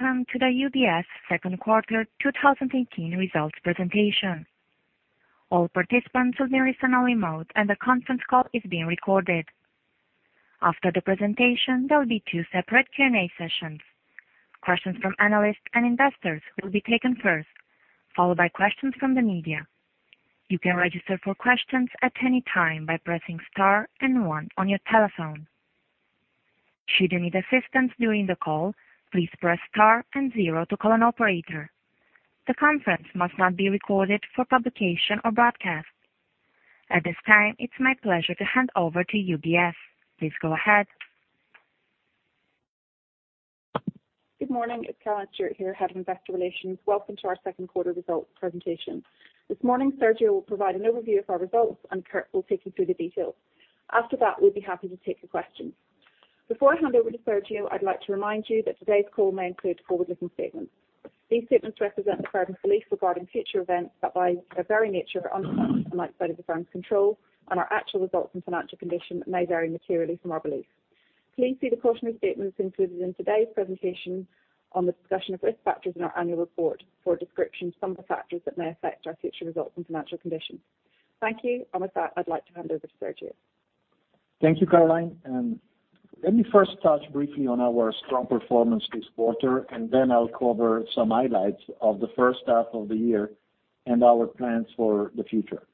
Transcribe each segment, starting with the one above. Welcome to the UBS second quarter 2018 results presentation. All participants will be listening remotely, the conference call is being recorded. After the presentation, there will be two separate Q&A sessions. Questions from analysts and investors will be taken first, followed by questions from the media. You can register for questions at any time by pressing star 1 on your telephone. Should you need assistance during the call, please press star 0 to call an operator. The conference must not be recorded for publication or broadcast. At this time, it is my pleasure to hand over to UBS. Please go ahead. Good morning. It is Caroline Stewart here, Head of Investor Relations. Welcome to our second quarter results presentation. This morning, Sergio will provide an overview of our results, Kurt will take you through the details. After that, we will be happy to take your questions. Before I hand over to Sergio, I would like to remind you that today's call may include forward-looking statements. These statements represent the firm's belief regarding future events that by their very nature are uncertain and outside of the firm's control, our actual results and financial condition may vary materially from our belief. Please see the cautionary statements included in today's presentation on the discussion of risk factors in our annual report for a description of some of the factors that may affect our future results and financial conditions. Thank you. With that, I would like to hand over to Sergio. Thank you, Caroline. Let me first touch briefly on our strong performance this quarter, then I will cover some highlights of the first half of the year and our plans for the future.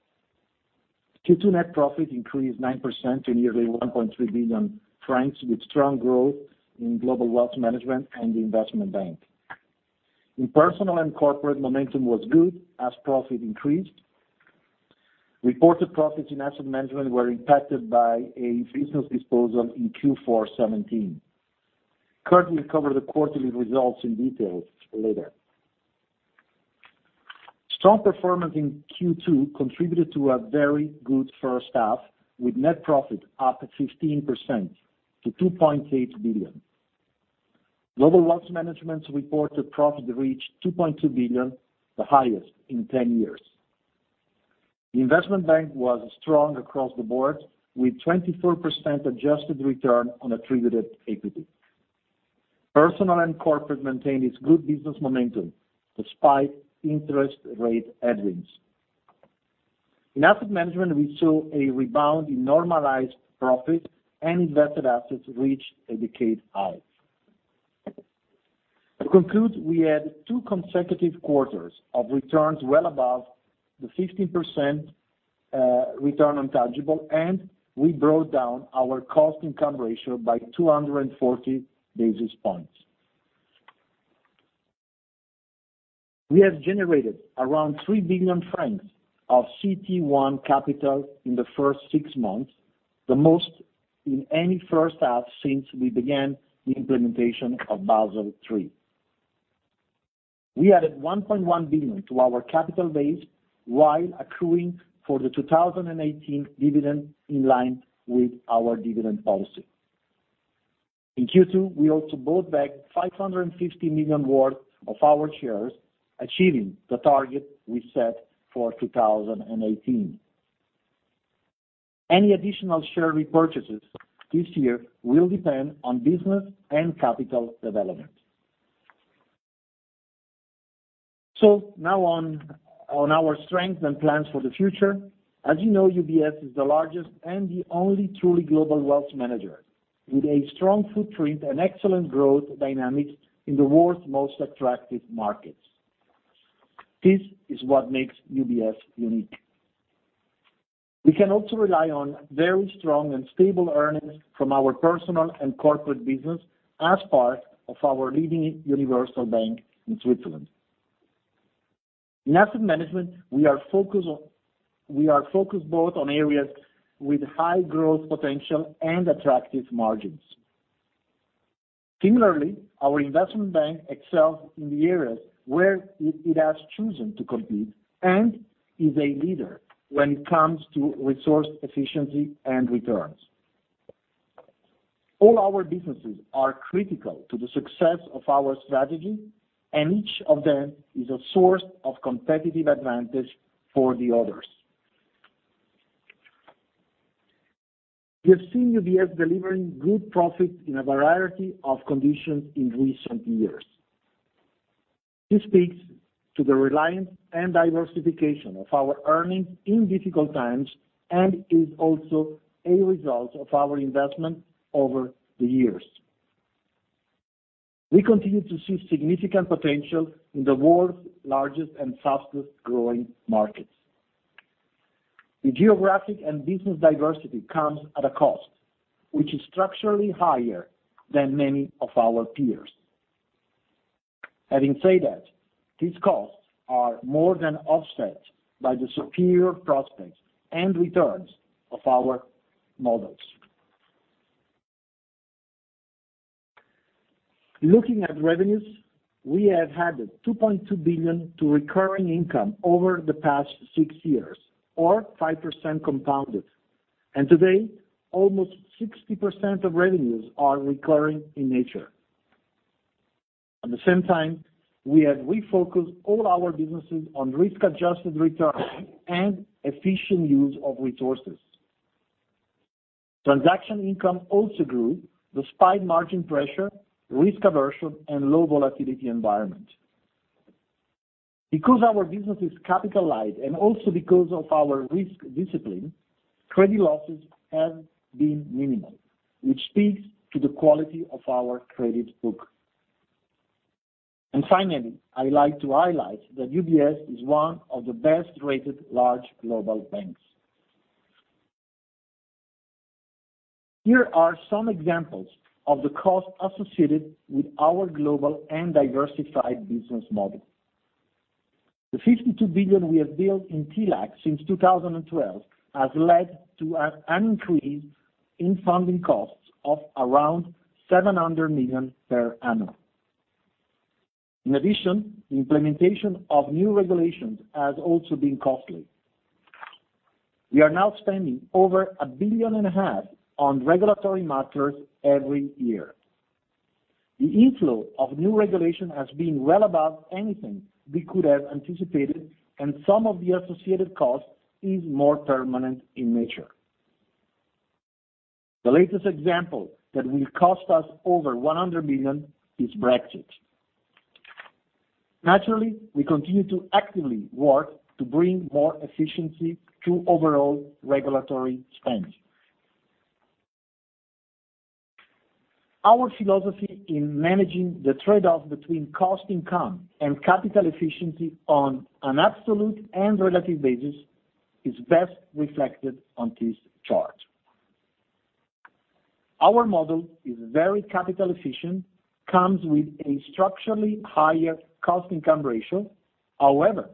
Q2 net profit increased 9% to nearly 1.3 billion francs, with strong growth in Global Wealth Management and the Investment Bank. In Personal & Corporate Banking, momentum was good as profit increased. Reported profits in Asset Management were impacted by a business disposal in Q4 2017. Kirt will cover the quarterly results in detail later. Strong performance in Q2 contributed to a very good first half, with net profit up 15% to 2.8 billion. Global Wealth Management's reported profit reached 2.2 billion, the highest in 10 years. The Investment Bank was strong across the board, with 24% adjusted return on attributed equity. Personal & Corporate Banking maintained its good business momentum despite interest rate headwinds. In Asset Management, we saw a rebound in normalized profit, invested assets reached a decade high. To conclude, we had two consecutive quarters of returns well above the 15% return on tangible, we brought down our cost-income ratio by 240 basis points. We have generated around 3 billion francs of CT1 capital in the first six months, the most in any first half since we began the implementation of Basel III. We added 1.1 billion to our capital base while accruing for the 2018 dividend in line with our dividend policy. In Q2, we also bought back 550 million worth of our shares, achieving the target we set for 2018. Any additional share repurchases this year will depend on business and capital development. Now on our strengths and plans for the future. As you know, UBS is the largest and the only truly global wealth manager, with a strong footprint and excellent growth dynamics in the world's most attractive markets. This is what makes UBS unique. We can also rely on very strong and stable earnings from our Personal & Corporate Banking business as part of our leading universal bank in Switzerland. In Asset Management, we are focused both on areas with high growth potential and attractive margins. Similarly, our Investment Bank excels in the areas where it has chosen to compete and is a leader when it comes to resource efficiency and returns. All our businesses are critical to the success of our strategy, and each of them is a source of competitive advantage for the others. You have seen UBS delivering good profits in a variety of conditions in recent years. This speaks to the reliance and diversification of our earnings in difficult times and is also a result of our investment over the years. We continue to see significant potential in the world's largest and fastest-growing markets. The geographic and business diversity comes at a cost, which is structurally higher than many of our peers. Having said that, these costs are more than offset by the superior prospects and returns of our models. Looking at revenues, we have added $2.2 billion to recurring income over the past six years or 5% compounded. Today, almost 60% of revenues are recurring in nature. At the same time, we have refocused all our businesses on risk-adjusted return and efficient use of resources. Transaction income also grew despite margin pressure, risk aversion, and low volatility environment. Because our business is capitalized and also because of our risk discipline, credit losses have been minimal, which speaks to the quality of our credit book. Finally, I like to highlight that UBS is one of the best-rated large global banks. Here are some examples of the cost associated with our global and diversified business model. The $52 billion we have built in TLAC since 2012 has led to an increase in funding costs of around $700 million per annum. In addition, the implementation of new regulations has also been costly. We are now spending over $1 billion and a half on regulatory matters every year. The inflow of new regulation has been well above anything we could have anticipated, and some of the associated costs are more permanent in nature. The latest example that will cost us over $100 million is Brexit. Naturally, we continue to actively work to bring more efficiency to overall regulatory spend. Our philosophy in managing the trade-off between cost-income and capital efficiency on an absolute and relative basis is best reflected on this chart. Our model is very capital efficient, comes with a structurally higher cost-income ratio, however,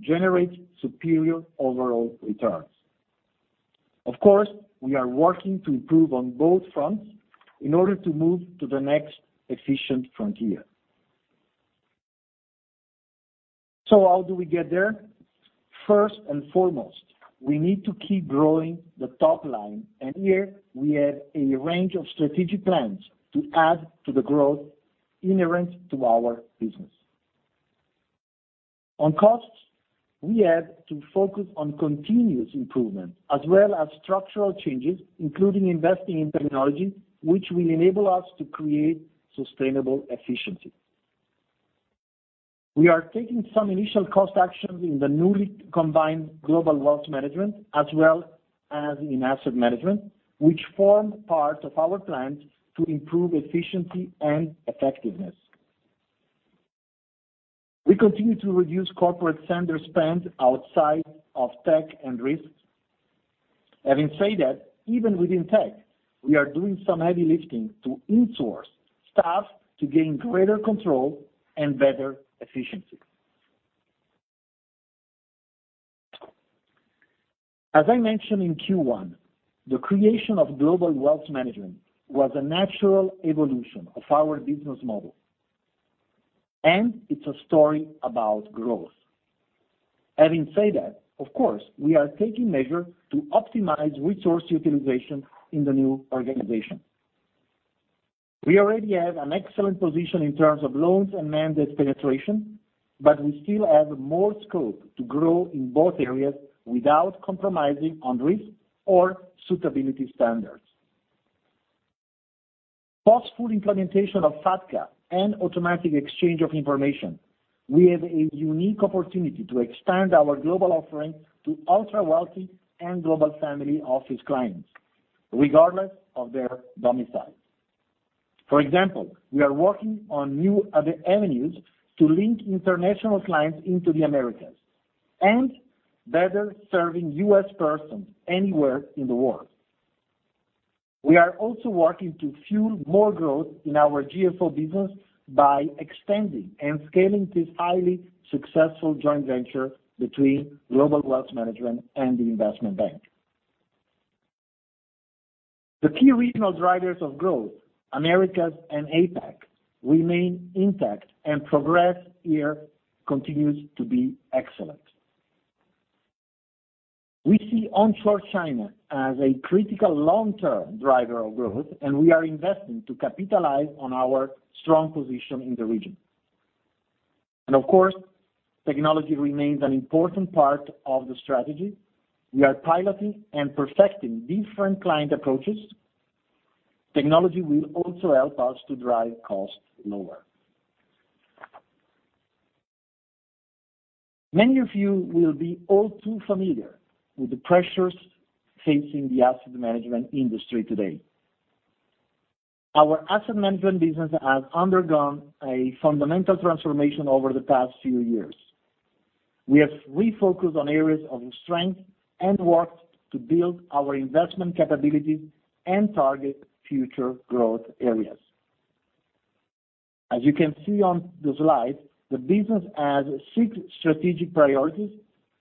generates superior overall returns. Of course, we are working to improve on both fronts in order to move to the next efficient frontier. How do we get there? First and foremost, we need to keep growing the top line, and here we have a range of strategic plans to add to the growth inherent to our business. On costs, we have to focus on continuous improvement as well as structural changes, including investing in technology, which will enable us to create sustainable efficiency. We are taking some initial cost actions in the newly combined Global Wealth Management, as well as in Asset Management, which form part of our plans to improve efficiency and effectiveness. We continue to reduce corporate center spend outside of tech and risks. Having said that, even within tech, we are doing some heavy lifting to insource staff to gain greater control and better efficiency. As I mentioned in Q1, the creation of Global Wealth Management was a natural evolution of our business model, and it's a story about growth. Having said that, of course, we are taking measure to optimize resource utilization in the new organization. We already have an excellent position in terms of loans and mandate penetration, but we still have more scope to grow in both areas without compromising on risk or suitability standards. Post full implementation of FATCA and automatic exchange of information, we have a unique opportunity to expand our global offering to ultra-wealthy and global family office clients, regardless of their domicile. For example, we are working on new avenues to link international clients into the Americas and better serving U.S. persons anywhere in the world. We are also working to fuel more growth in our GFO business by extending and scaling this highly successful joint venture between Global Wealth Management and the Investment Bank. The key regional drivers of growth, Americas and APAC, remain intact, and progress here continues to be excellent. We see onshore China as a critical long-term driver of growth, and we are investing to capitalize on our strong position in the region. Of course, technology remains an important part of the strategy. We are piloting and perfecting different client approaches. Technology will also help us to drive costs lower. Many of you will be all too familiar with the pressures facing the Asset Management industry today. Our Asset Management business has undergone a fundamental transformation over the past few years. We have refocused on areas of strength and worked to build our investment capabilities and target future growth areas. As you can see on the slide, the business has six strategic priorities,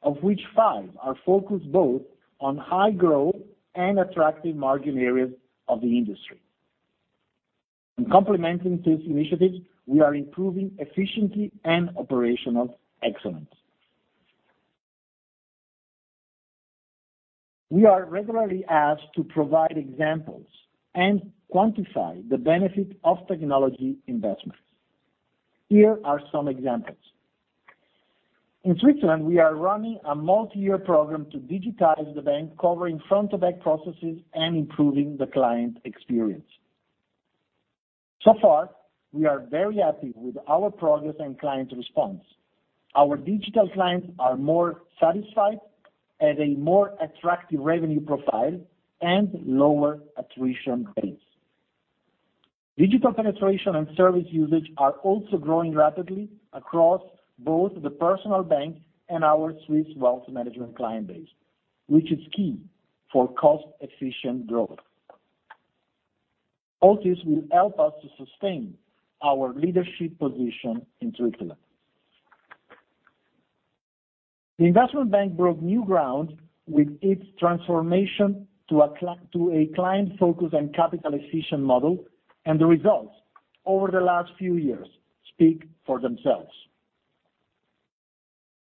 of which five are focused both on high growth and attractive margin areas of the industry. In complementing these initiatives, we are improving efficiency and operational excellence. We are regularly asked to provide examples and quantify the benefit of technology investments. Here are some examples. In Switzerland, we are running a multi-year program to digitize the bank, covering front and back processes and improving the client experience. Far, we are very happy with our progress and client response. Our digital clients are more satisfied, at a more attractive revenue profile, and lower attrition rates. Digital penetration and service usage are also growing rapidly across both the personal bank and our Swiss wealth management client base, which is key for cost-efficient growth. All this will help us to sustain our leadership position in Switzerland. The Investment Bank broke new ground with its transformation to a client-focused and capital-efficient model, and the results over the last few years speak for themselves.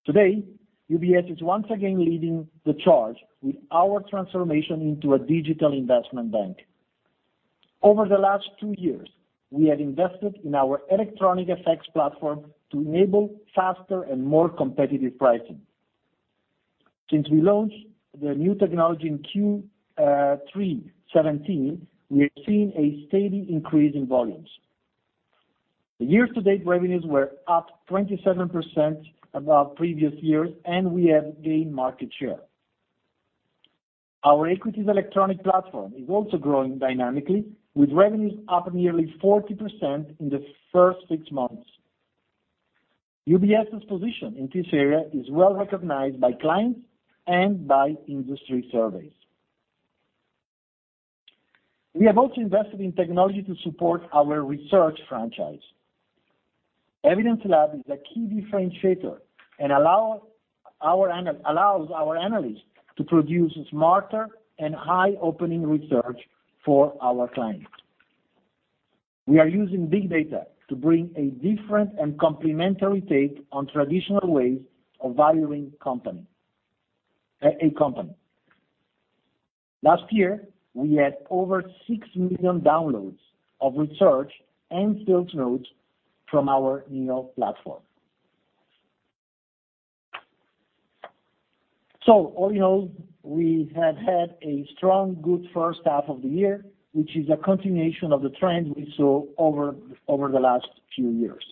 Today, UBS is once again leading the charge with our transformation into a digital Investment Bank. Over the last two years, we have invested in our electronic FX platform to enable faster and more competitive pricing. Since we launched the new technology in Q3 2017, we have seen a steady increase in volumes. The year-to-date revenues were up 27% above previous years, and we have gained market share. Our equities electronic platform is also growing dynamically, with revenues up nearly 40% in the first six months. UBS's position in this area is well-recognized by clients and by industry surveys. We have also invested in technology to support our research franchise. Evidence Lab is a key differentiator and allows our analysts to produce smarter and eye-opening research for our clients. We are using big data to bring a different and complementary take on traditional ways of valuing a company. Last year, we had over 6 million downloads of research and field notes from our NEO platform. All in all, we have had a strong, good first half of the year, which is a continuation of the trend we saw over the last few years.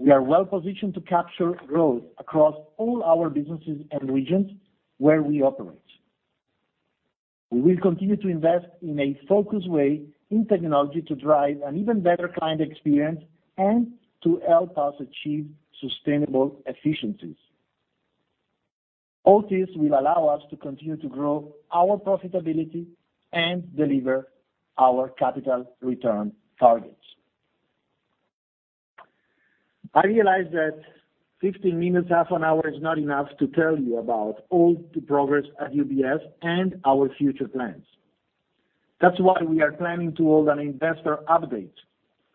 We are well-positioned to capture growth across all our businesses and regions where we operate. We will continue to invest in a focused way in technology to drive an even better client experience and to help us achieve sustainable efficiencies. All this will allow us to continue to grow our profitability and deliver our capital return targets. I realize that 15 minutes, half an hour is not enough to tell you about all the progress at UBS and our future plans. That's why we are planning to hold an investor update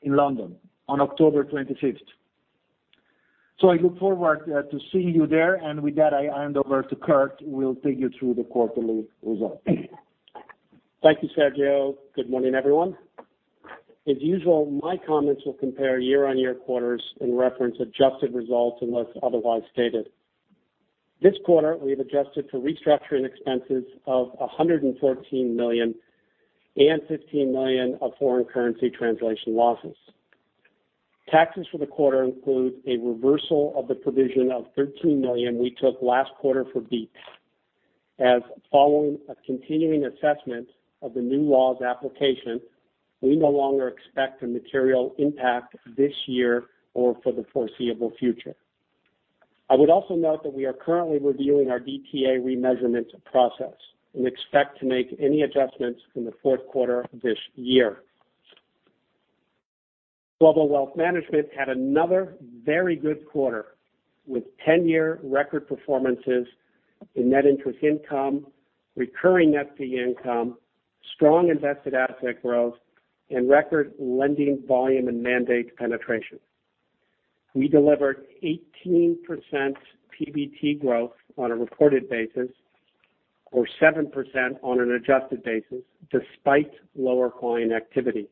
in London on October 25th. I look forward to seeing you there. With that, I hand over to Kirt, who will take you through the quarterly results. Thank you, Sergio. Good morning, everyone. As usual, my comments will compare year-on-year quarters and reference adjusted results unless otherwise stated. This quarter, we've adjusted for restructuring expenses of 114 million and 15 million of foreign currency translation losses. Taxes for the quarter include a reversal of the provision of 13 million we took last quarter for BEAT, as following a continuing assessment of the new law's application, we no longer expect a material impact this year or for the foreseeable future. I would also note that we are currently reviewing our DTA remeasurement process and expect to make any adjustments in the fourth quarter of this year. Global Wealth Management had another very good quarter, with 10-year record performances in net interest income, recurring net fee income, strong invested asset growth, and record lending volume and mandate penetration. We delivered 18% PBT growth on a reported basis or 7% on an adjusted basis, despite lower client activity.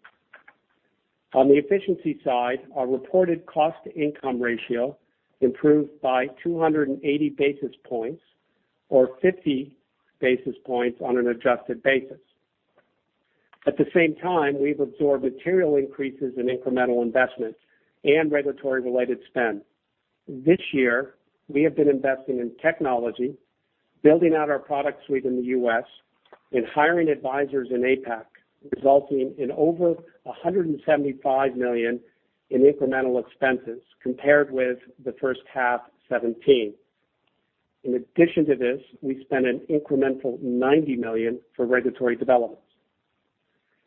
On the efficiency side, our reported cost-income ratio improved by 280 basis points or 50 basis points on an adjusted basis. At the same time, we've absorbed material increases in incremental investment and regulatory-related spend. This year, we have been investing in technology, building out our product suite in the U.S., and hiring advisors in APAC, resulting in over 175 million in incremental expenses compared with the first half 2017. In addition to this, we spent an incremental 90 million for regulatory developments.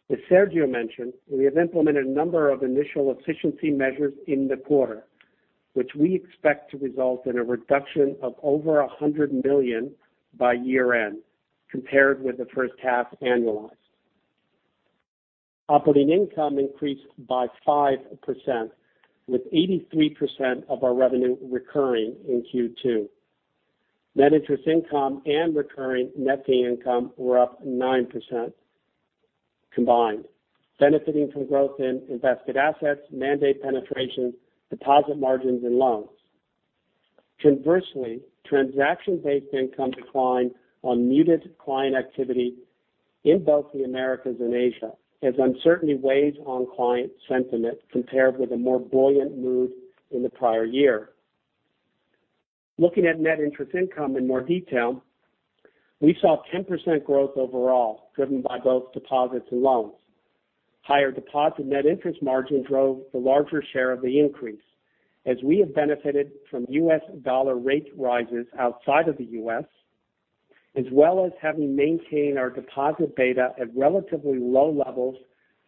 As Sergio mentioned, we have implemented a number of initial efficiency measures in the quarter, which we expect to result in a reduction of over 100 million by year-end compared with the first half annualized. Operating income increased by 5%, with 83% of our revenue recurring in Q2. Net interest income and recurring net fee income were up 9%. Combined, benefiting from growth in invested assets, mandate penetration, deposit margins, and loans. Conversely, transaction-based income declined on muted client activity in both the Americas and Asia, as uncertainty weighs on client sentiment compared with a more buoyant mood in the prior year. Looking at net interest income in more detail, we saw 10% growth overall, driven by both deposits and loans. Higher deposit net interest margins drove the larger share of the increase, as we have benefited from U.S. dollar rate rises outside of the U.S., as well as having maintained our deposit beta at relatively low levels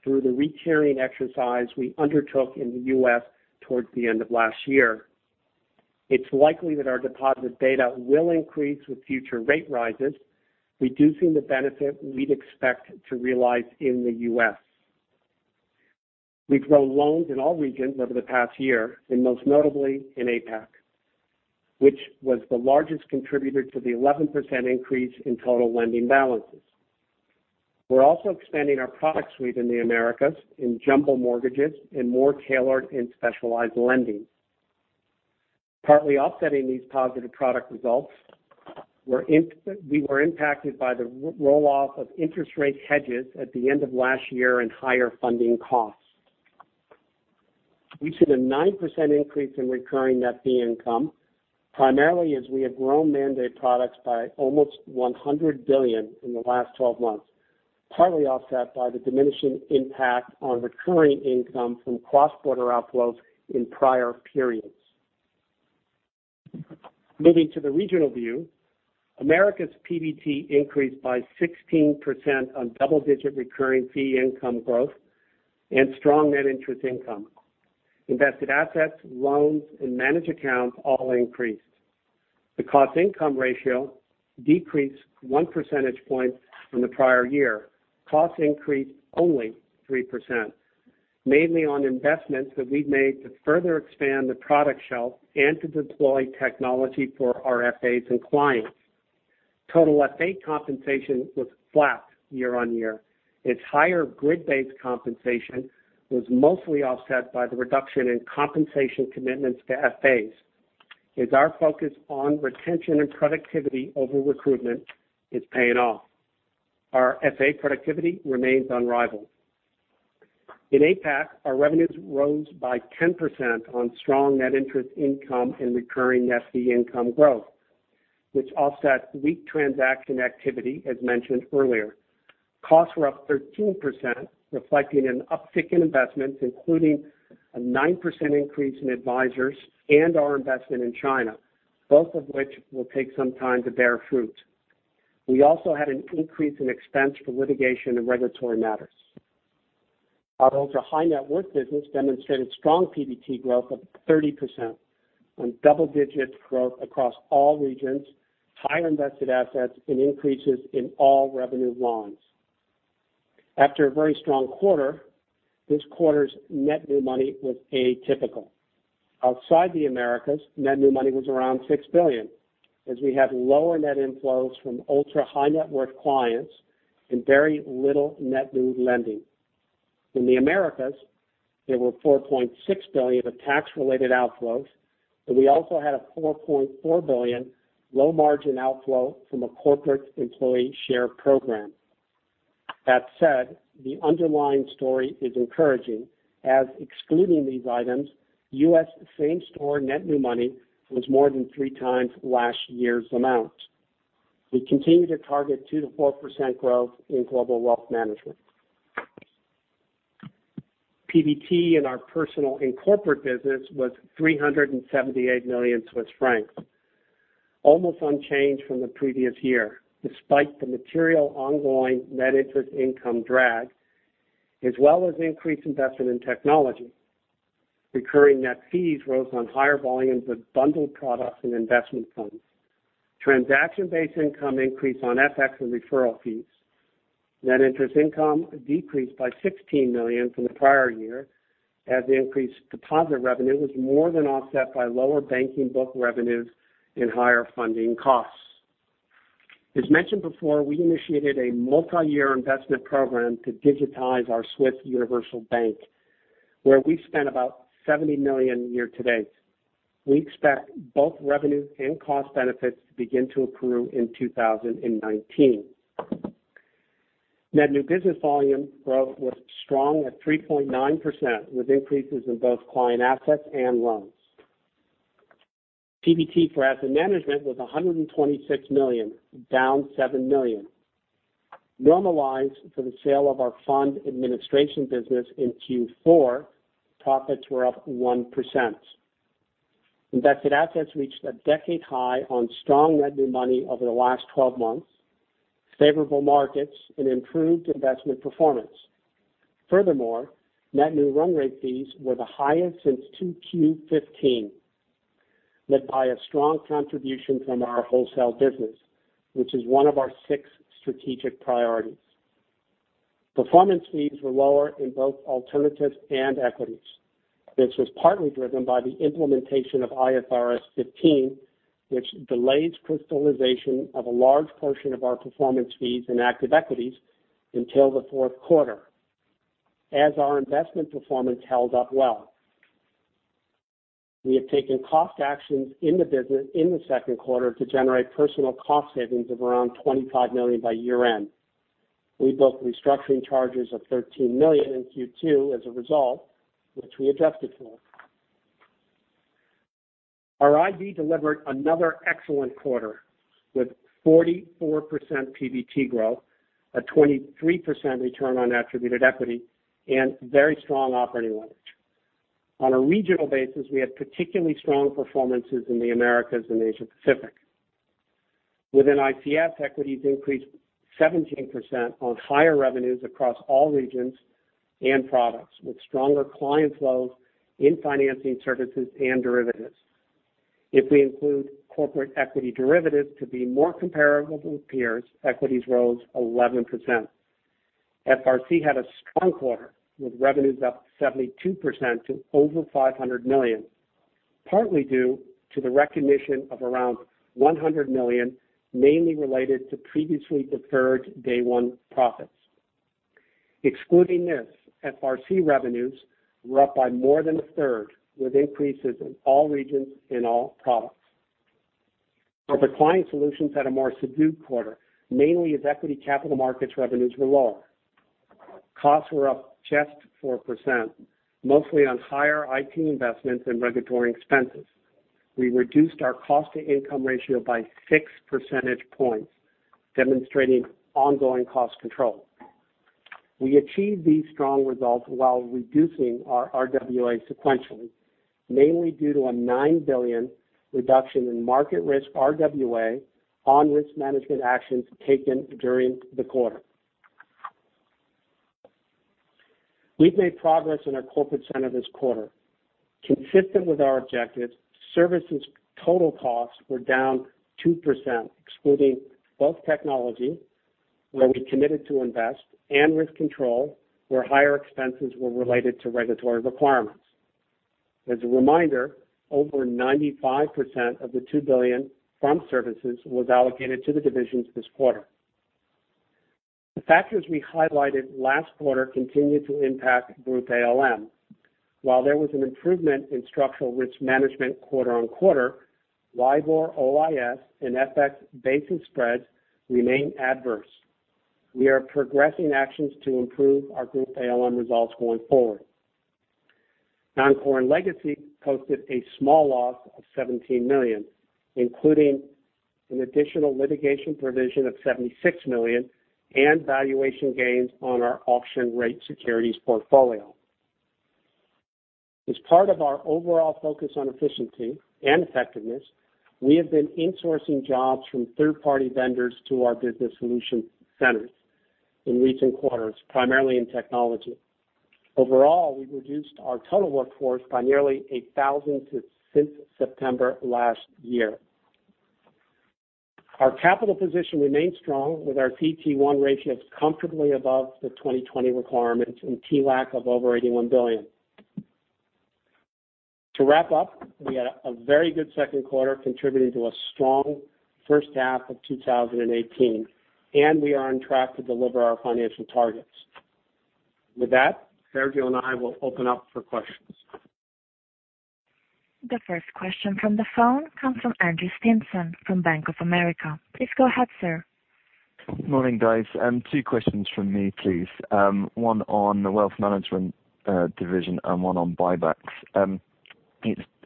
through the retiering exercise we undertook in the U.S. towards the end of last year. It's likely that our deposit beta will increase with future rate rises, reducing the benefit we'd expect to realize in the U.S. We've grown loans in all regions over the past year, most notably in APAC, which was the largest contributor to the 11% increase in total lending balances. We're also expanding our product suite in the Americas in jumbo mortgages and more tailored and specialized lending. Partly offsetting these positive product results, we were impacted by the roll-off of interest rate hedges at the end of last year and higher funding costs. We see the 9% increase in recurring net fee income, primarily as we have grown mandate products by almost 100 billion in the last 12 months, partly offset by the diminishing impact on recurring income from cross-border outflows in prior periods. Moving to the regional view, Americas PBT increased by 16% on double-digit recurring fee income growth and strong net interest income. Invested assets, loans, and managed accounts all increased. The cost-income ratio decreased one percentage point from the prior year. Costs increased only 3%, mainly on investments that we've made to further expand the product shelf and to deploy technology for our FAs and clients. Total FA compensation was flat year-on-year. Its higher grid-based compensation was mostly offset by the reduction in compensation commitments to FAs, as our focus on retention and productivity over recruitment is paying off. Our FA productivity remains unrivaled. In APAC, our revenues rose by 10% on strong net interest income and recurring fee income growth, which offset weak transaction activity, as mentioned earlier. Costs were up 13%, reflecting an uptick in investments, including a 9% increase in advisors and our investment in China, both of which will take some time to bear fruit. We also had an increase in expense for litigation and regulatory matters. Our ultra-high-net-worth business demonstrated strong PBT growth of 30% on double-digit growth across all regions, higher invested assets, and increases in all revenue lines. After a very strong quarter, this quarter's net new money was atypical. Outside the Americas, net new money was around 6 billion, as we have lower net inflows from ultra-high-net-worth clients and very little net new lending. In the Americas, there were 4.6 billion of tax-related outflows, but we also had a 4.4 billion low-margin outflow from a corporate employee share program. That said, the underlying story is encouraging, as excluding these items, U.S. same-store net new money was more than three times last year's amount. We continue to target 2%-4% growth in Global Wealth Management. PBT in our Personal & Corporate Banking was 378 million Swiss francs, almost unchanged from the previous year, despite the material ongoing net interest income drag, as well as increased investment in technology. Recurring net fees rose on higher volumes of bundled products and investment funds. Transaction-based income increased on FX and referral fees. Net interest income decreased by 16 million from the prior year, as the increased deposit revenue was more than offset by lower banking book revenues and higher funding costs. As mentioned before, we initiated a multi-year investment program to digitize our Swiss Universal Bank, where we spent about 70 million year-to-date. We expect both revenue and cost benefits to begin to accrue in 2019. Net new business volume growth was strong at 3.9%, with increases in both client assets and loans. PBT for Asset Management was 126 million, down 7 million. Normalized for the sale of our fund administration business in Q4, profits were up 1%. Invested assets reached a decade high on strong net new money over the last 12 months, favorable markets, and improved investment performance. Furthermore, net new run rate fees were the highest since 2Q15, led by a strong contribution from our wholesale business, which is one of our six strategic priorities. Performance fees were lower in both alternatives and equities. This was partly driven by the implementation of IFRS 15, which delays crystallization of a large portion of our performance fees and active equities until the fourth quarter, as our investment performance held up well. We have taken cost actions in the business in the second quarter to generate personal cost savings of around 25 million by year-end. We booked restructuring charges of 13 million in Q2 as a result, which we adjusted for. Our IB delivered another excellent quarter, with 44% PBT growth, a 23% return on attributed equity, and very strong operating leverage. On a regional basis, we had particularly strong performances in the Americas and Asia Pacific. Within ICF, equities increased 17% on higher revenues across all regions and products, with stronger client flows in financing services and derivatives. If we include corporate equity derivatives to be more comparable with peers, equities rose 11%. FRC had a strong quarter, with revenues up 72% to over 500 million, partly due to the recognition of around 100 million, mainly related to previously deferred day one profits. Excluding this, FRC revenues were up by more than a third, with increases in all regions, in all products. Our Corporate Client Solutions had a more subdued quarter, mainly as equity capital markets revenues were lower. Costs were up just 4%, mostly on higher IT investments and regulatory expenses. We reduced our cost-income ratio by six percentage points, demonstrating ongoing cost control. We achieved these strong results while reducing our RWA sequentially, mainly due to a 9 billion reduction in market risk RWA on risk management actions taken during the quarter. We've made progress in our Corporate Center this quarter. Consistent with our objectives, services total costs were down 2%, excluding both technology, where we committed to invest, and risk control, where higher expenses were related to regulatory requirements. As a reminder, over 95% of the 2 billion from services was allocated to the divisions this quarter. The factors we highlighted last quarter continued to impact Group ALM. While there was an improvement in structural risk management quarter-on-quarter, LIBOR-OIS and FX basis spreads remained adverse. We are progressing actions to improve our Group ALM results going forward. Non-core and Legacy posted a small loss of CHF 17 million, including an additional litigation provision of CHF 76 million and valuation gains on our auction rate securities portfolio. As part of our overall focus on efficiency and effectiveness, we have been insourcing jobs from third-party vendors to our business solution centers in recent quarters, primarily in technology. Overall, we've reduced our total workforce by nearly 1,000 since September last year. Our capital position remains strong, with our CT1 ratios comfortably above the 2020 requirements and TLAC of over 81 billion. To wrap up, we had a very good second quarter contributing to a strong first half of 2018, and we are on track to deliver our financial targets. With that, Sergio and I will open up for questions. The first question from the phone comes from Andrew Stimpson from Bank of America. Please go ahead, sir. Morning, guys. Two questions from me, please. One on the Global Wealth Management division and one on buybacks.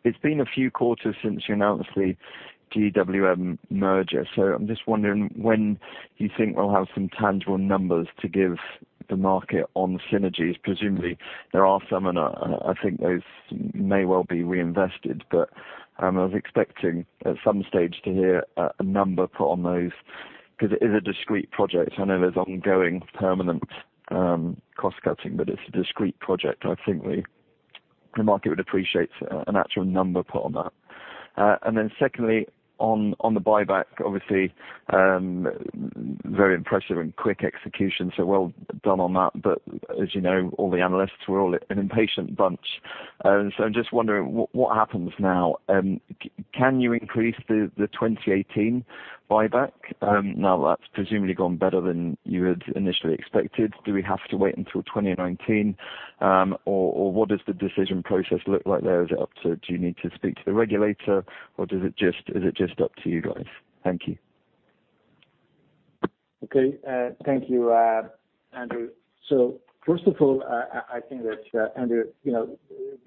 It's been a few quarters since you announced the GWM merger, so I'm just wondering when you think we'll have some tangible numbers to give the market on synergies. Presumably, there are some, and I think those may well be reinvested, but I was expecting at some stage to hear a number put on those because it is a discrete project. I know there's ongoing permanent cost-cutting, but it's a discrete project. I think the market would appreciate an actual number put on that. Secondly, on the buyback, obviously, very impressive and quick execution, so well done on that. I'm just wondering what happens now. Can you increase the 2018 buyback? Now that's presumably gone better than you had initially expected. Do we have to wait until 2019? What does the decision process look like there? Do you need to speak to the regulator, or is it just up to you guys? Thank you. Okay. Thank you, Andrew. First of all, I think that, Andrew, the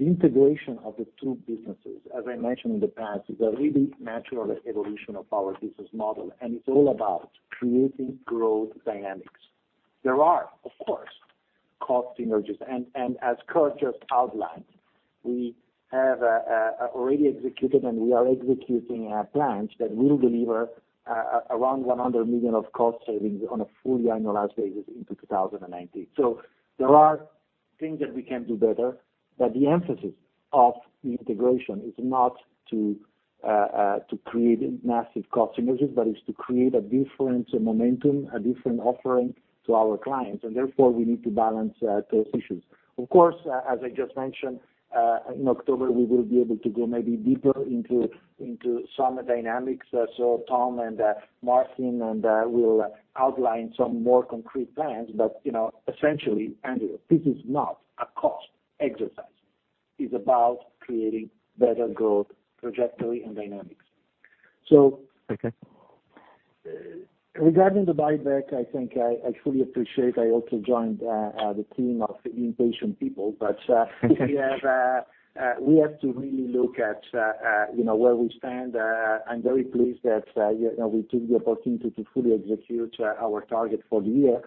integration of the two businesses, as I mentioned in the past, is a really natural evolution of our business model, and it's all about creating growth dynamics. There are, of course, cost synergies. As Kurt just outlined, we have already executed, and we are executing our plans that will deliver around 100 million of cost savings on a full annualized basis into 2019. There are things that we can do better. The emphasis of the integration is not to create massive cost synergies, but is to create a different momentum, a different offering to our clients. Therefore, we need to balance those issues. Of course, as I just mentioned, in October we will be able to go maybe deeper into some dynamics, Tom and Martin will outline some more concrete plans. Essentially, Andrew, this is not a cost exercise. It's about creating better growth trajectory and dynamics. Okay. Regarding the buyback, I think I fully appreciate, I also joined the team of impatient people. We have to really look at where we stand. I'm very pleased that we took the opportunity to fully execute our target for the year.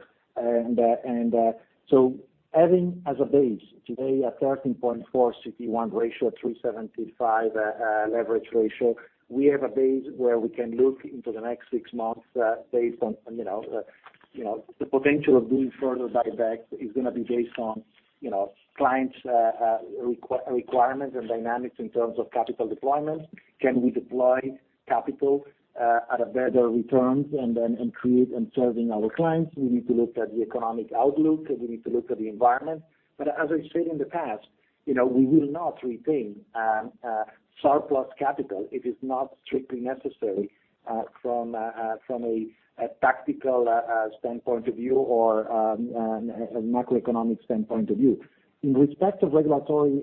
Having as a base today a 13.4 CT1 ratio, 375 leverage ratio, we have a base where we can look into the next six months based on the potential of doing further buybacks is going to be based on client requirements and dynamics in terms of capital deployment. Can we deploy capital at a better returns and create and serving our clients? We need to look at the economic outlook, and we need to look at the environment. As I've said in the past, we will not retain surplus capital if it's not strictly necessary from a tactical standpoint of view or a macroeconomic standpoint of view. In respect of regulatory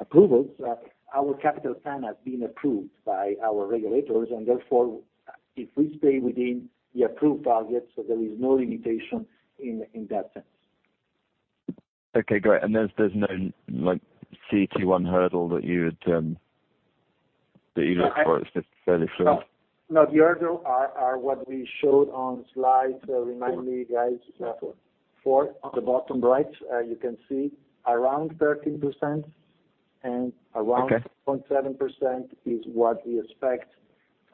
approvals, our capital plan has been approved by our regulators, therefore, if we stay within the approved targets, there is no limitation in that sense. Okay, great. There's no CT1 hurdle that you look for? It's fairly fluid. No, the hurdle are what we showed on slides, remind me guys. Four. Four. On the bottom right, you can see around 13%. Okay 0.7% is what we expect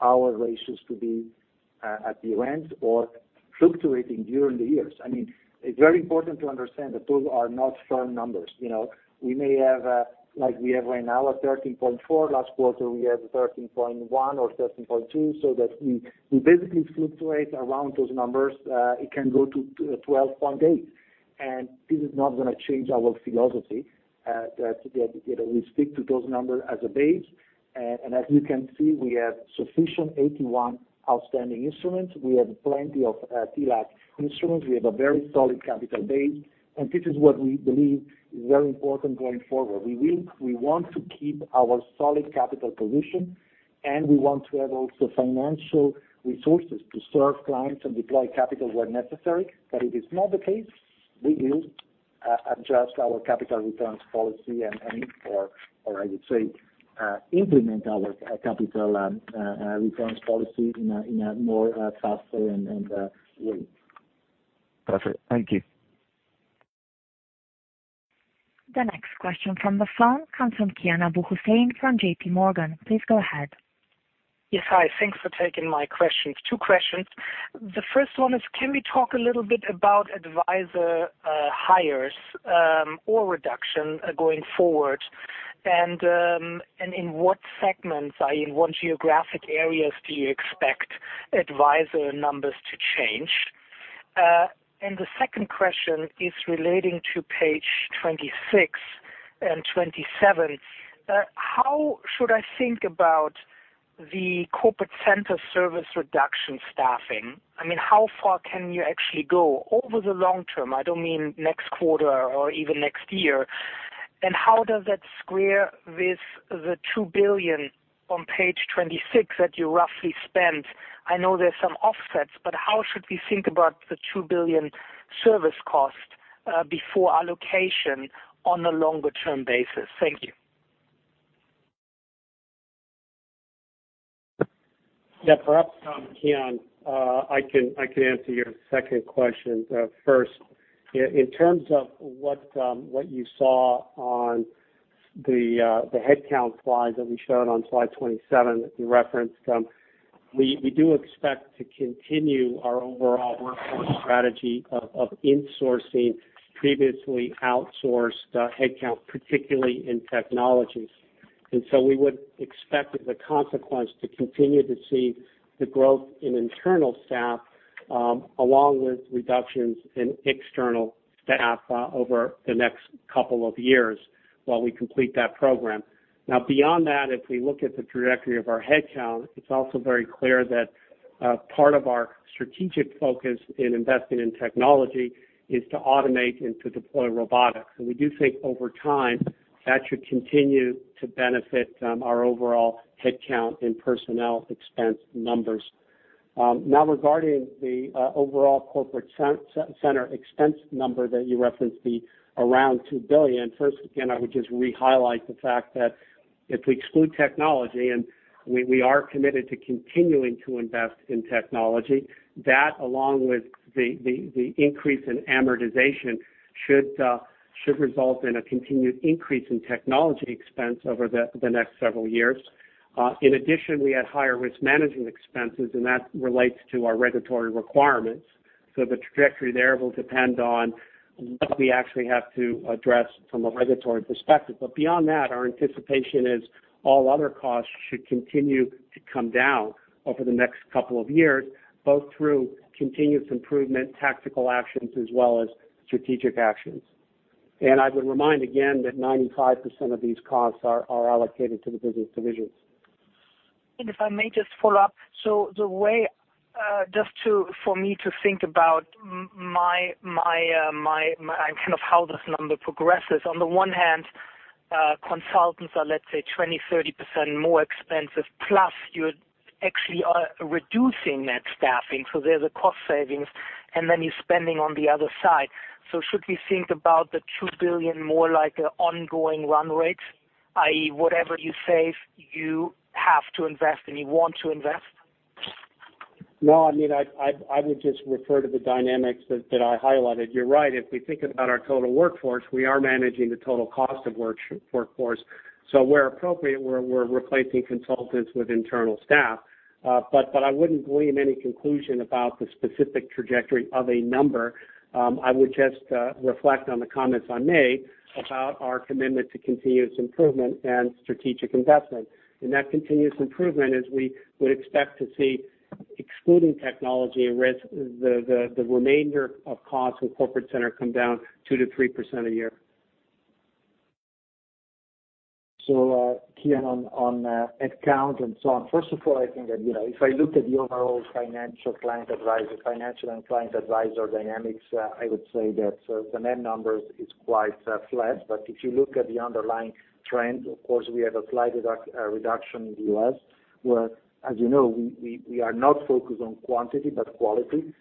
our ratios to be at the end or fluctuating during the years. It's very important to understand that those are not firm numbers. We may have, like we have right now, a 13.4. Last quarter, we had a 13.1 or 13.2, so that we basically fluctuate around those numbers. It can go to 12.8. This is not going to change our philosophy, that we stick to those numbers as a base. As you can see, we have sufficient AT1 outstanding instruments. We have plenty of TLAC instruments. We have a very solid capital base, and this is what we believe is very important going forward. We want to keep our solid capital position, and we want to have also financial resources to serve clients and deploy capital where necessary. If it's not the case, we will adjust our capital returns policy, or I should say, implement our capital returns policy in a more faster way. Perfect. Thank you. The next question from the phone comes from Kian Abouhossein from JPMorgan. Please go ahead. Yes, hi. Thanks for taking my questions. Two questions. The first one is, can we talk a little bit about advisor hires or reduction going forward? And in what segments, in what geographic areas do you expect advisor numbers to change? The second question is relating to page 26 and 27. How should I think about the Corporate Center service reduction staffing? How far can you actually go over the long term? I don't mean next quarter or even next year. And how does that square with the 2 billion on page 26 that you roughly spent? I know there's some offsets, but how should we think about the 2 billion service cost before allocation on a longer-term basis? Thank you. Yeah. Perhaps, Kian, I can answer your second question first. In terms of what you saw on the headcount slide that we showed on slide 27 that you referenced. So we would expect as a consequence to continue to see the growth in internal staff along with reductions in external staff over the next couple of years while we complete that program. Now, beyond that, if we look at the trajectory of our headcount, it's also very clear that part of our strategic focus in investing in technology is to automate and to deploy robotics. We do think over time, that should continue to benefit our overall headcount in personnel expense numbers. Now, regarding the overall corporate center expense number that you referenced, the around 2 billion. First, again, I would just re-highlight the fact that if we exclude technology, we are committed to continuing to invest in technology, that along with the increase in amortization should result in a continued increase in technology expense over the next several years. In addition, we had higher risk management expenses, and that relates to our regulatory requirements. The trajectory there will depend on what we actually have to address from a regulatory perspective. Beyond that, our anticipation is all other costs should continue to come down over the next couple of years, both through continuous improvement tactical actions as well as strategic actions. I would remind again that 95% of these costs are allocated to the business divisions. If I may just follow up. The way, just for me to think about how this number progresses. On the one hand, consultants are, let's say, 20%, 30% more expensive, plus you actually are reducing net staffing, so there's a cost savings, and then you're spending on the other side. So should we think about the 2 billion more like an ongoing run rate, i.e., whatever you save, you have to invest and you want to invest? No, I would just refer to the dynamics that I highlighted. You're right. If we think about our total workforce, we are managing the total cost of workforce. Where appropriate, we're replacing consultants with internal staff. I wouldn't glean any conclusion about the specific trajectory of a number. I would just reflect on the comments I made about our commitment to continuous improvement and strategic investment. In that continuous improvement, as we would expect to see, excluding technology and risk, the remainder of costs from corporate center come down 2%-3% a year. Kian on head count and so on. First of all, I think that if I look at the overall financial and client advisor dynamics, I would say that the net numbers is quite flat. If you look at the underlying trend, of course, we have a slight reduction in the U.S., where, as you know, we are not focused on quantity but quality.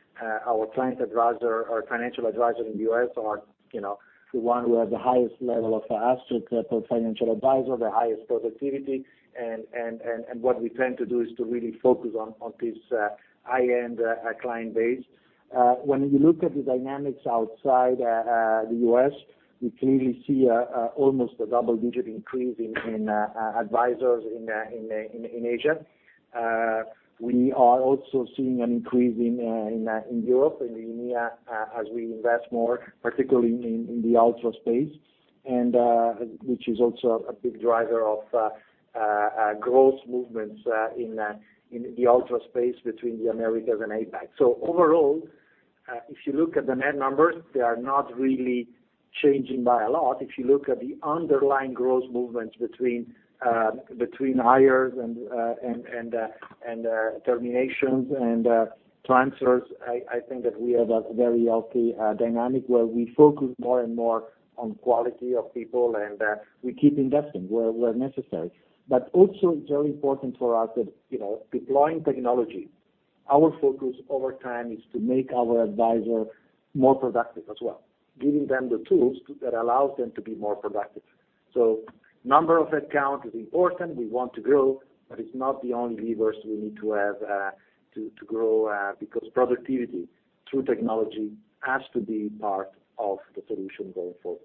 Our financial advisor in the U.S. are the one who has the highest level of asset per financial advisor, the highest productivity. What we tend to do is to really focus on this high-end client base. When you look at the dynamics outside the U.S., we clearly see almost a double-digit increase in advisors in Asia. We are also seeing an increase in Europe, in EMEA, as we invest more, particularly in the ultra space, which is also a big driver of growth movements in the ultra space between the Americas and APAC. Overall, if you look at the net numbers, they are not really changing by a lot. If you look at the underlying growth movements between hires and terminations and transfers, I think that we have a very healthy dynamic where we focus more and more on quality of people, and we keep investing where necessary. Also, it's very important for us that deploying technology, our focus over time is to make our advisor more productive as well. Giving them the tools that allows them to be more productive. Number of head count is important. We want to grow, it's not the only levers we need to have to grow because productivity through technology has to be part of the solution going forward.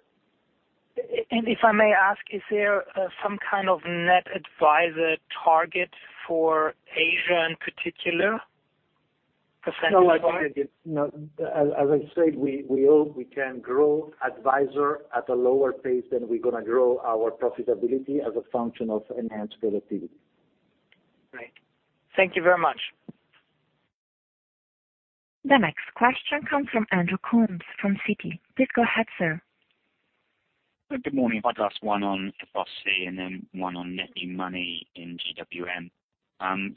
If I may ask, is there some kind of net advisor target for Asia in particular? Percentage-wise. No. As I said, we hope we can grow advisor at a lower pace than we're going to grow our profitability as a function of enhanced productivity. Right. Thank you very much. The next question comes from Andrew Coombs from Citi. Please go ahead, sir. Good morning. If I'd ask one on FRC and then one on net new money in GWM.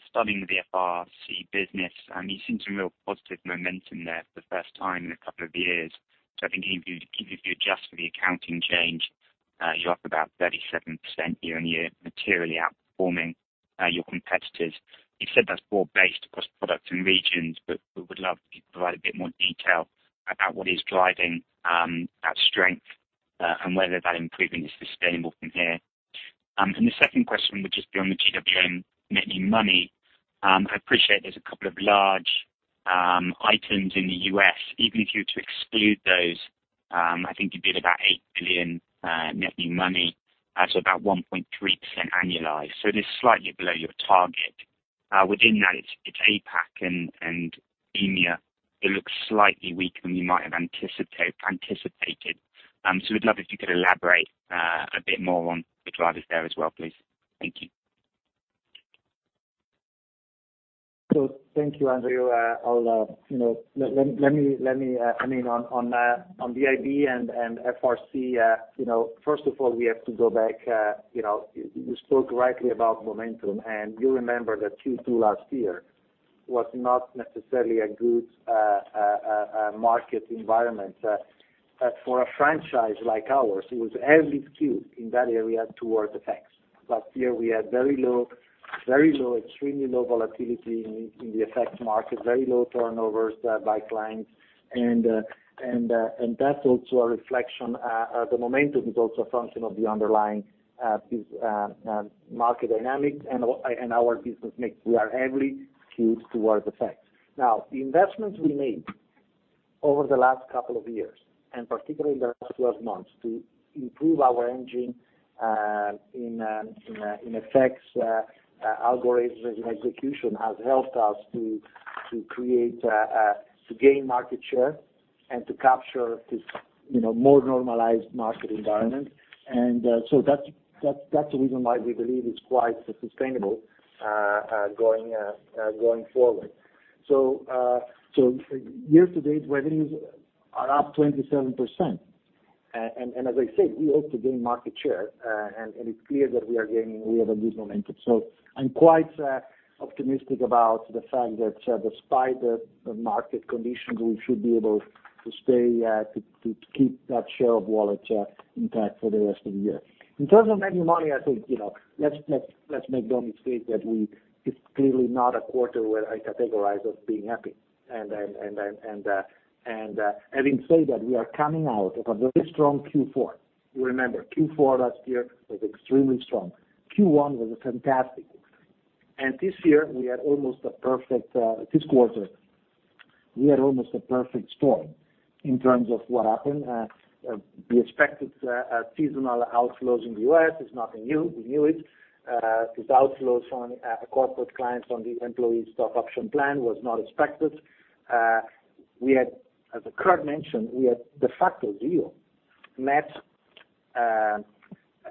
Starting with the FRC business, you've seen some real positive momentum there for the first time in a couple of years. I think even if you adjust for the accounting change, you're up about 37% year-over-year, materially outperforming your competitors. You said that's broad-based across products and regions, but we would love if you could provide a bit more detail about what is driving that strength and whether that improvement is sustainable from here. The second question would just be on the GWM net new money. I appreciate there's a couple of large items in the U.S. Even if you were to exclude those, I think you'd be at about $8 billion net new money. About 1.3% annualized. It is slightly below your target. Within that, it's APAC and EMEA. It looks slightly weaker than you might have anticipated. We'd love if you could elaborate a bit more on the drivers there as well, please. Thank you. Thank you, Andrew. On the IB and FRC, first of all, we have to go back. You spoke rightly about momentum, and you remember that Q2 last year was not necessarily a good market environment. For a franchise like ours, it was heavily skewed in that area towards FX. Last year, we had extremely low volatility in the FX market, very low turnovers by clients. The momentum is also a function of the underlying market dynamics and our business mix. We are heavily skewed towards FX. The investments we made over the last couple of years, and particularly in the last 12 months, to improve our engine in FX, algorithms, and execution has helped us to gain market share and to capture this more normalized market environment. That's the reason why we believe it's quite sustainable going forward. Year-to-date revenues are up 27%. As I said, we hope to gain market share, and it's clear that we are gaining, we have a good momentum. I'm quite optimistic about the fact that despite the market conditions, we should be able to keep that share of wallet intact for the rest of the year. In terms of net new money, I think, let's make no mistake that it's clearly not a quarter where I categorize as being happy. Having said that, we are coming out of a very strong Q4. You remember, Q4 last year was extremely strong. Q1 was fantastic. This quarter, we had almost a perfect storm in terms of what happened. We expected seasonal outflows in the U.S. It's nothing new. We knew it. These outflows from the corporate clients on the employee stock option plan was not expected. As Kirt mentioned, we had de facto zero net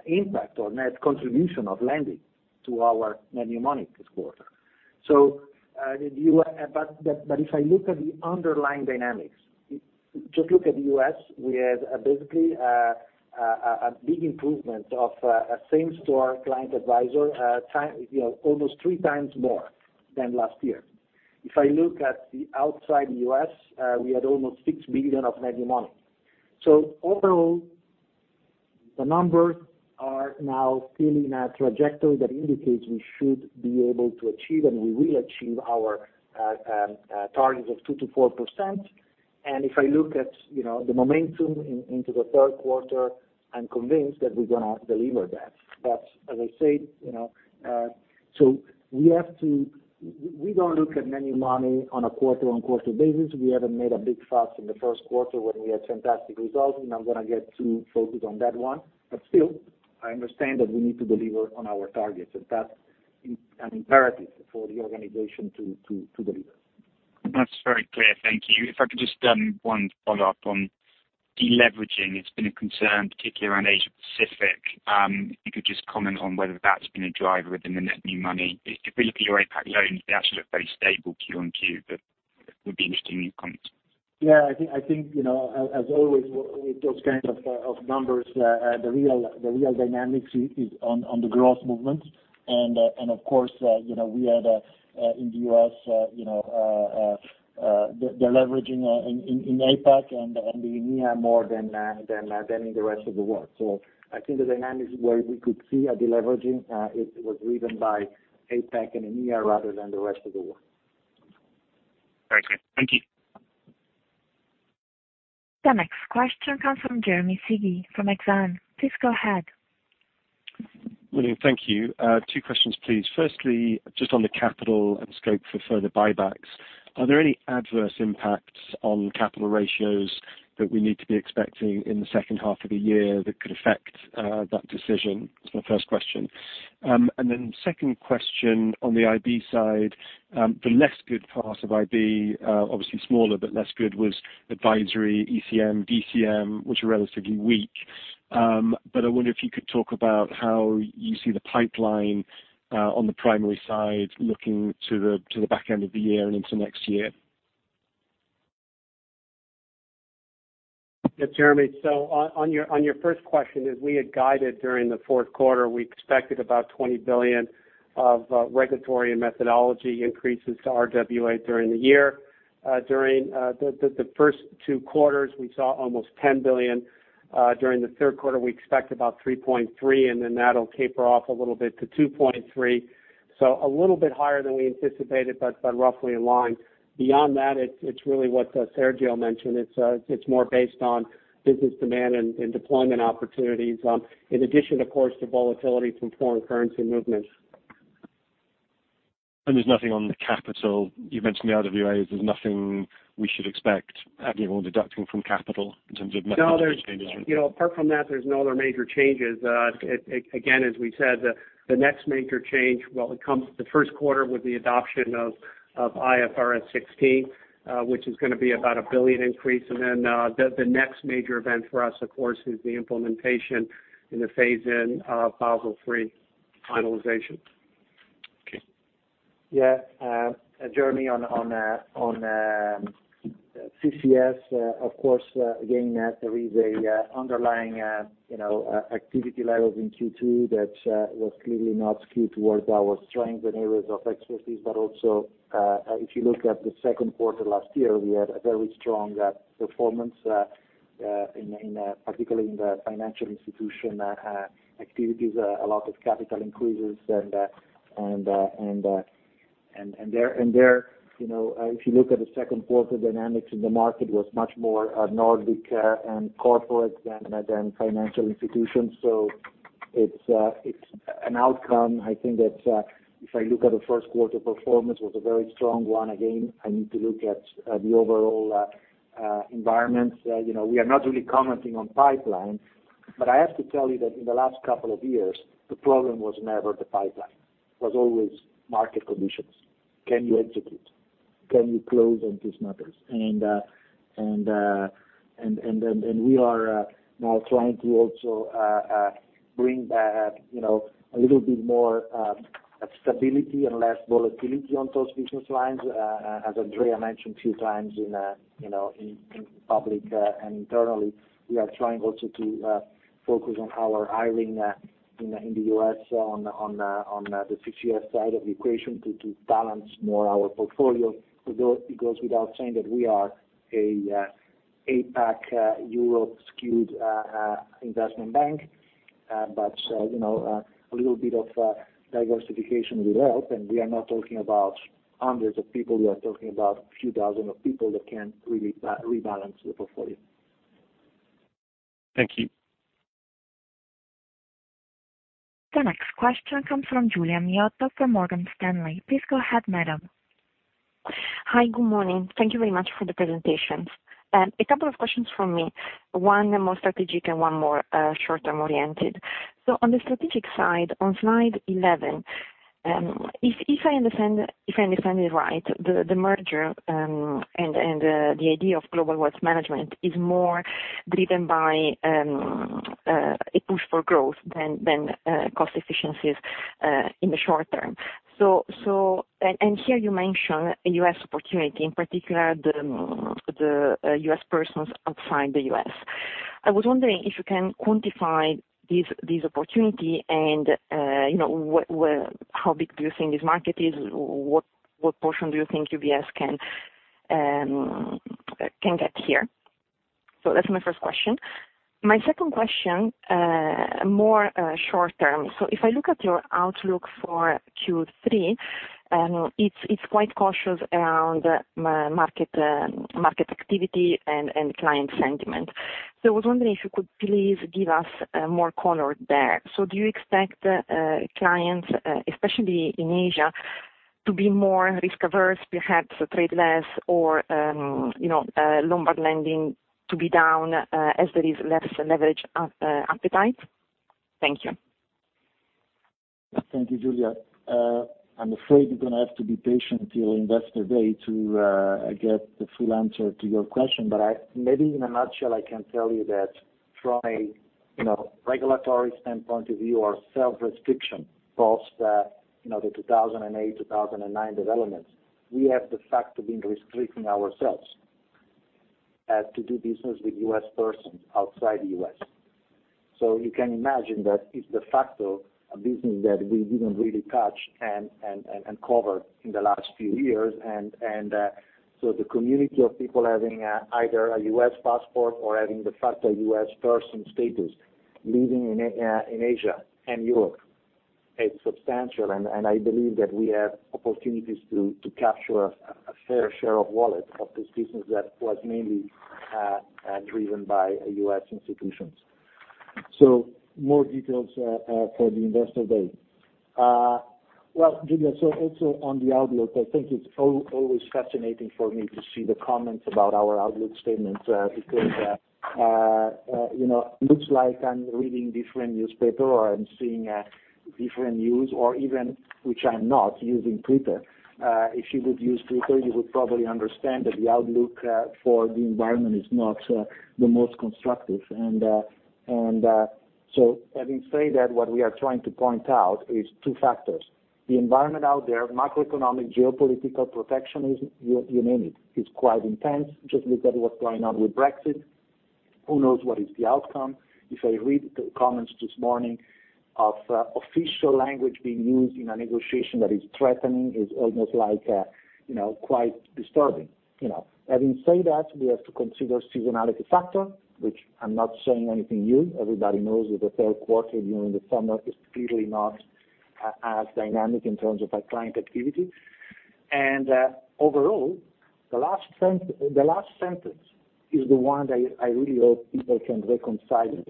impact or net contribution of lending to our net new money this quarter. If I look at the underlying dynamics, just look at the U.S., we had basically a big improvement of same-store client advisor almost three times more than last year. If I look at the outside U.S., we had almost 6 billion of net new money. Overall, the numbers are now clearly in a trajectory that indicates we should be able to achieve, and we will achieve our target of 2%-4%. If I look at the momentum into the third quarter, I'm convinced that we're going to deliver that. As I said, we don't look at net new money on a quarter-on-quarter basis. We haven't made a big fuss in the first quarter when we had fantastic results. I'm not going to get too focused on that one. Still, I understand that we need to deliver on our targets, and that's an imperative for the organization to deliver. That's very clear. Thank you. If I could just one follow-up on deleveraging. It's been a concern, particularly around Asia Pacific. If you could just comment on whether that's been a driver within the net new money. If we look at your APAC loans, they actually look very stable Q on Q. It would be interesting, your comments. I think, as always, with those kinds of numbers, the real dynamics is on the growth movement. Of course, we had in the U.S., deleveraging in APAC and in EMEA more than in the rest of the world. I think the dynamics where we could see a deleveraging, it was driven by APAC and EMEA rather than the rest of the world. Very clear. Thank you. The next question comes from Jeremy Sigee from Exane. Please go ahead. William, thank you. Two questions, please. Firstly, just on the capital and scope for further buybacks, are there any adverse impacts on capital ratios that we need to be expecting in the second half of the year that could affect that decision? That's my first question. Second question on the IB side, the less good part of IB, obviously smaller but less good, was advisory, ECM, DCM, which are relatively weak. I wonder if you could talk about how you see the pipeline on the primary side looking to the back end of the year and into next year. Jeremy. On your first question, as we had guided during the fourth quarter, we expected about 20 billion of regulatory and methodology increases to RWA during the year. During the first two quarters, we saw almost 10 billion. During the third quarter, we expect about 3.3 billion, that'll taper off a little bit to 2.3 billion. A little bit higher than we anticipated, but roughly in line. Beyond that, it's really what Sergio mentioned. It's more based on business demand and deployment opportunities, in addition, of course, to volatility from foreign currency movements. There's nothing on the capital. You mentioned the RWAs. There's nothing we should expect adding or deducting from capital in terms of methodology changes. No. Apart from that, there's no other major changes. Again, as we said, the next major change, well, it comes the first quarter with the adoption of IFRS 16, which is going to be about a 1 billion increase, and then the next major event for us, of course, is the implementation and the phase-in of Basel III finalization. Okay. Yeah. Jeremy, on CCS, of course, again, there is an underlying activity level in Q2 that was clearly not skewed towards our strength and areas of expertise. Also, if you look at the second quarter last year, we had a very strong performance, particularly in the financial institution activities, a lot of capital increases. There, if you look at the second quarter dynamics in the market, was much more Nordic and corporate than financial institutions. It's an outcome. I think that if I look at the first quarter performance, it was a very strong one. Again, I need to look at the overall environment. We are not really commenting on pipeline, but I have to tell you that in the last couple of years, the problem was never the pipeline. It was always market conditions. Can you execute? Can you close on these matters? We are now trying to also bring back a little bit more stability and less volatility on those business lines. As Andrea mentioned a few times in public and internally, we are trying also to focus on our hiring in the U.S. on the fixed-income side of the equation to balance more our portfolio. It goes without saying that we are a APAC Europe-skewed Investment Bank, a little bit of diversification will help, and we are not talking about hundreds of people. We are talking about a few dozen people that can really rebalance the portfolio. Thank you. The next question comes from Giulia Miotto from Morgan Stanley. Please go ahead, madam. Hi. Good morning. Thank you very much for the presentation. A couple of questions from me, one more strategic and one more short-term oriented. On the strategic side, on slide 11, if I understand it right, the merger and the idea of Global Wealth Management is more driven by a push for growth than cost efficiencies in the short term. Here you mention a U.S. opportunity, in particular, the U.S. persons outside the U.S. I was wondering if you can quantify this opportunity and how big do you think this market is? What portion do you think UBS can get here? That's my first question. My second question, more short-term. If I look at your outlook for Q3, it's quite cautious around market activity and client sentiment. I was wondering if you could please give us more color there. Do you expect clients, especially in Asia, to be more risk-averse, perhaps trade less or Lombard lending to be down as there is less leverage appetite? Thank you. Thank you, Giulia. I'm afraid you're going to have to be patient till Investor Day to get the full answer to your question. Maybe in a nutshell, I can tell you that from a regulatory standpoint of view or self-restriction post the 2008, 2009 developments, we have the fact of being restricting ourselves as to do business with U.S. persons outside the U.S. You can imagine that it's de facto a business that we didn't really touch and cover in the last few years. The community of people having either a U.S. passport or having the facto U.S. person status, living in Asia and Europe, it's substantial. I believe that we have opportunities to capture a fair share of wallet of this business that was mainly driven by U.S. institutions. More details for the Investor Day. Well, Giulia, also on the outlook, I think it's always fascinating for me to see the comments about our outlook statements, because it looks like I'm reading a different newspaper or I'm seeing different news or even, which I'm not, using Twitter. If you would use Twitter, you would probably understand that the outlook for the environment is not the most constructive. Having said that, what we are trying to point out is two factors. The environment out there, macroeconomic, geopolitical protectionism, you name it, is quite intense. Just look at what's going on with Brexit. Who knows what is the outcome? If I read the comments this morning of official language being used in a negotiation that is threatening, is almost quite disturbing. Having said that, we have to consider seasonality factor, which I'm not saying anything new. Everybody knows that the third quarter during the summer is clearly not as dynamic in terms of our client activity. Overall, the last sentence is the one that I really hope people can reconcile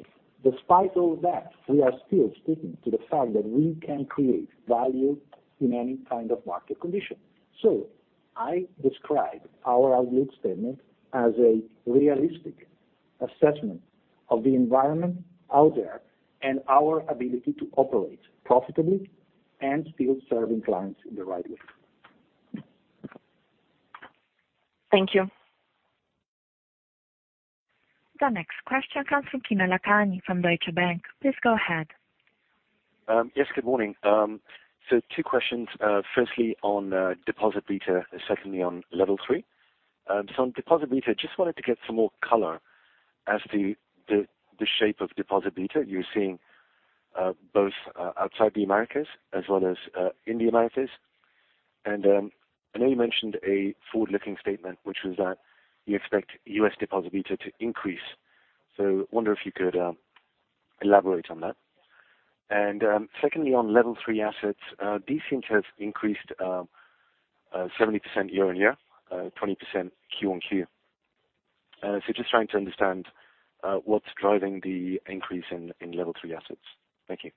with. Despite all that, we are still sticking to the fact that we can create value in any kind of market condition. I describe our outlook statement as a realistic assessment of the environment out there and our ability to operate profitably and still serving clients in the right way. Thank you. The next question comes from Kinner Lakhani from Deutsche Bank. Please go ahead. Yes, good morning. Two questions. Firstly, on Level 3. On deposit beta, just wanted to get some more color as to the shape of deposit beta you're seeing both outside the Americas as well as in the Americas. I know you mentioned a forward-looking statement, which was that you expect U.S. deposit beta to increase. I wonder if you could elaborate on that. Secondly, on Level 3 assets, these things have increased 70% year-on-year, 20% Q-on-Q. Just trying to understand what's driving the increase in Level 3 assets. Thank you.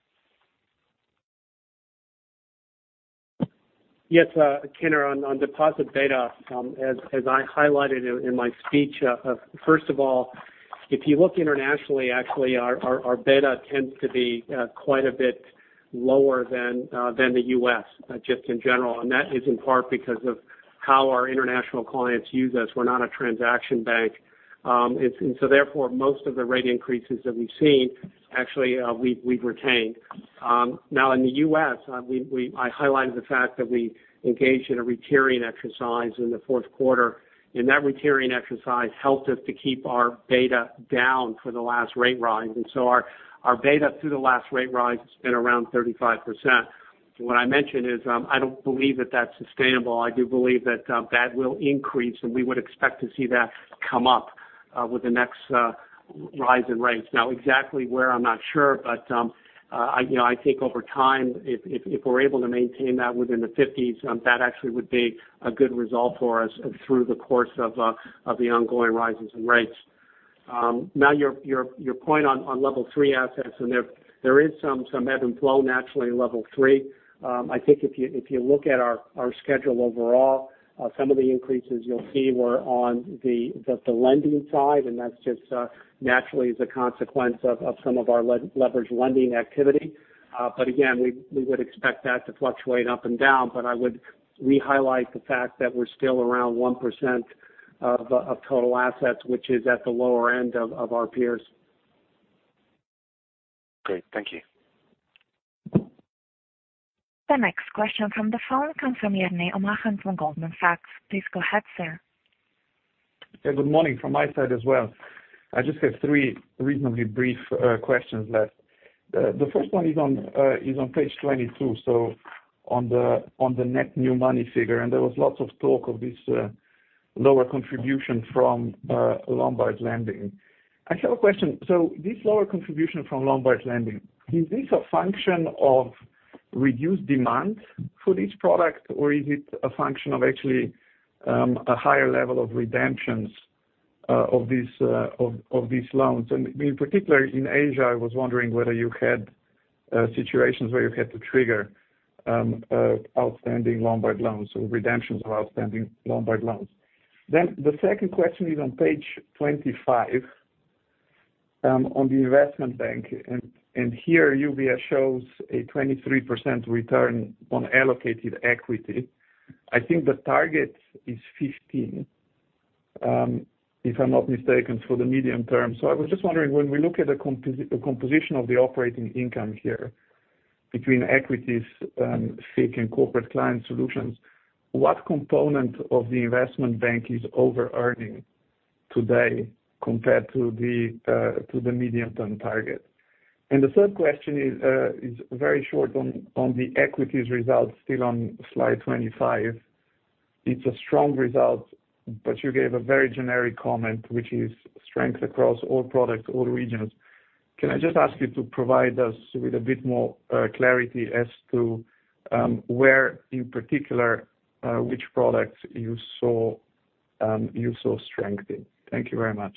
Yes, Kinner, on deposit beta, as I highlighted in my speech, first of all, if you look internationally, actually, our beta tends to be quite a bit lower than the U.S., just in general. That is in part because of how our international clients use us. We're not a transaction bank. Therefore, most of the rate increases that we've seen, actually, we've retained. In the U.S., I highlighted the fact that we engaged in a retiering exercise in the fourth quarter, and that retiering exercise helped us to keep our beta down for the last rate rise. Our beta through the last rate rise has been around 35%. What I mentioned is, I don't believe that that's sustainable. I do believe that that will increase, and we would expect to see that come up with the next rise in rates. Exactly where, I'm not sure, but I think over time, if we're able to maintain that within the 50s, that actually would be a good result for us through the course of the ongoing rises in rates. Your point on Level 3 assets, there is some ebb and flow naturally in Level 3. I think if you look at our schedule overall, some of the increases you'll see were on the lending side, and that's just naturally as a consequence of some of our leveraged lending activity. Again, we would expect that to fluctuate up and down. I would re-highlight the fact that we're still around 1% of total assets, which is at the lower end of our peers. Great. Thank you. The next question from the phone comes from Jernej Omahen from Goldman Sachs. Please go ahead, sir. Good morning from my side as well. I just have three reasonably brief questions left. The first one is on page 22, on the net new money figure, there was lots of talk of this lower contribution from Lombard lending. I just have a question. This lower contribution from Lombard lending, is this a function of reduced demand for this product, or is it a function of actually a higher level of redemptions of these loans? In particular, in Asia, I was wondering whether you had situations where you had to trigger outstanding Lombard loans or redemptions of outstanding Lombard loans. The second question is on page 25, on the Investment Bank. Here, UBS shows a 23% return on allocated equity. I think the target is 15, if I'm not mistaken, for the medium term. I was just wondering, when we look at the composition of the operating income here between equities and FIC and Corporate Client Solutions, what component of the Investment Bank is over-earning today compared to the medium-term target? The third question is very short on the equities results, still on slide 25. It's a strong result, but you gave a very generic comment, which is strength across all products, all regions. Can I just ask you to provide us with a bit more clarity as to where in particular which products you saw strength in? Thank you very much.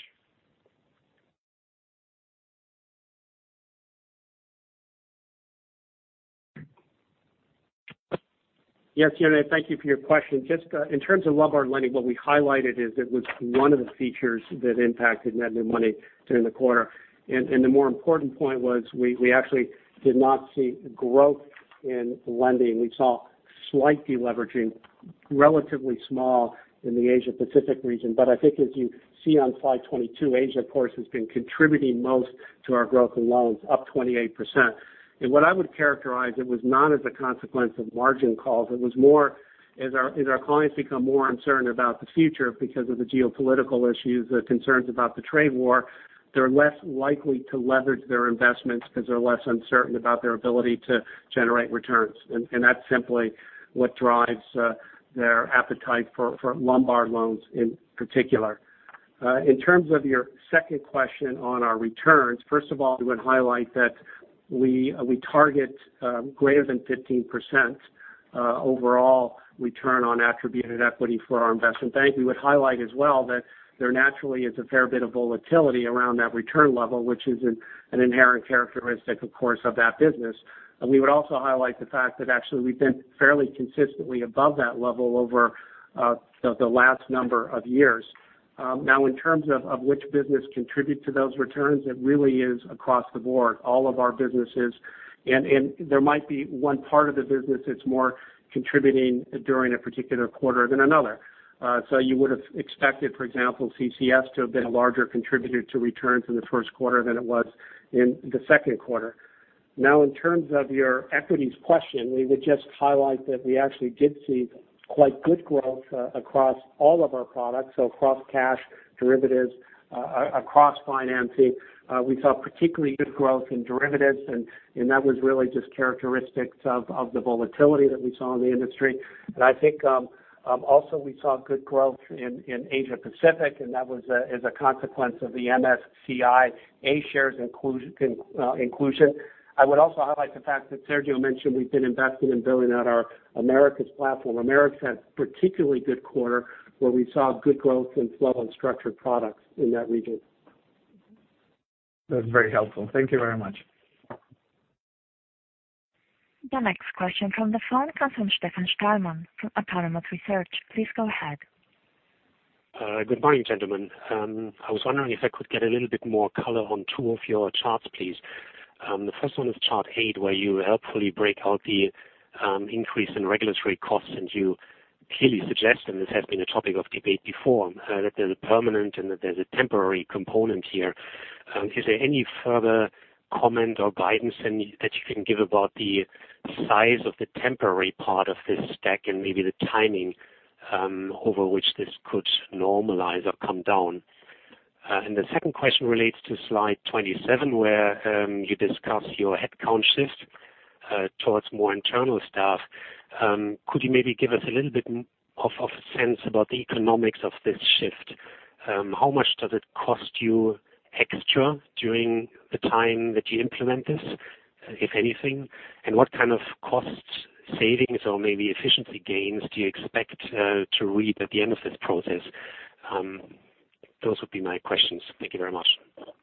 Yes, Jernej, thank you for your question. Just in terms of Lombard lending, what we highlighted is it was one of the features that impacted net new money during the quarter. The more important point was we actually did not see growth in lending. We saw slight de-leveraging, relatively small in the Asia-Pacific region. I think as you see on slide 22, Asia, of course, has been contributing most to our growth in loans, up 28%. What I would characterize, it was not as a consequence of margin calls. It was more as our clients become more concerned about the future because of the geopolitical issues, the concerns about the trade war, they're less likely to leverage their investments because they're less uncertain about their ability to generate returns. That's simply what drives their appetite for Lombard loans in particular. In terms of your second question on our returns, first of all, we would highlight that we target greater than 15% overall return on attributed equity for our Investment Bank. We would highlight as well that there naturally is a fair bit of volatility around that return level, which is an inherent characteristic, of course, of that business. We would also highlight the fact that actually we've been fairly consistently above that level over the last number of years. In terms of which business contribute to those returns, it really is across the board, all of our businesses. There might be one part of the business that's more contributing during a particular quarter than another. So you would've expected, for example, CCS to have been a larger contributor to returns in the first quarter than it was in the second quarter. In terms of your equities question, we would just highlight that we actually did see quite good growth across all of our products, so across cash, derivatives, across financing. We saw particularly good growth in derivatives, that was really just characteristics of the volatility that we saw in the industry. I think also we saw good growth in Asia-Pacific, that is a consequence of the MSCI A shares inclusion. I would also highlight the fact that Sergio mentioned we've been investing in building out our Americas platform. Americas had a particularly good quarter where we saw good growth in flow and structured products in that region. That's very helpful. Thank you very much. The next question from the phone comes from Stefan Stalmann from Autonomous Research. Please go ahead. Good morning, gentlemen. I was wondering if I could get a little bit more color on two of your charts, please. The first one is chart eight, where you helpfully break out the increase in regulatory costs, you clearly suggest, this has been a topic of debate before, that there's a permanent that there's a temporary component here. Is there any further comment or guidance that you can give about the size of the temporary part of this stack and maybe the timing over which this could normalize or come down? The second question relates to slide 27, where you discuss your headcount shift towards more internal staff. Could you maybe give us a little bit of a sense about the economics of this shift? How much does it cost you extra during the time that you implement this, if anything? What kind of cost savings or maybe efficiency gains do you expect to reap at the end of this process? Those would be my questions. Thank you very much, Stefan.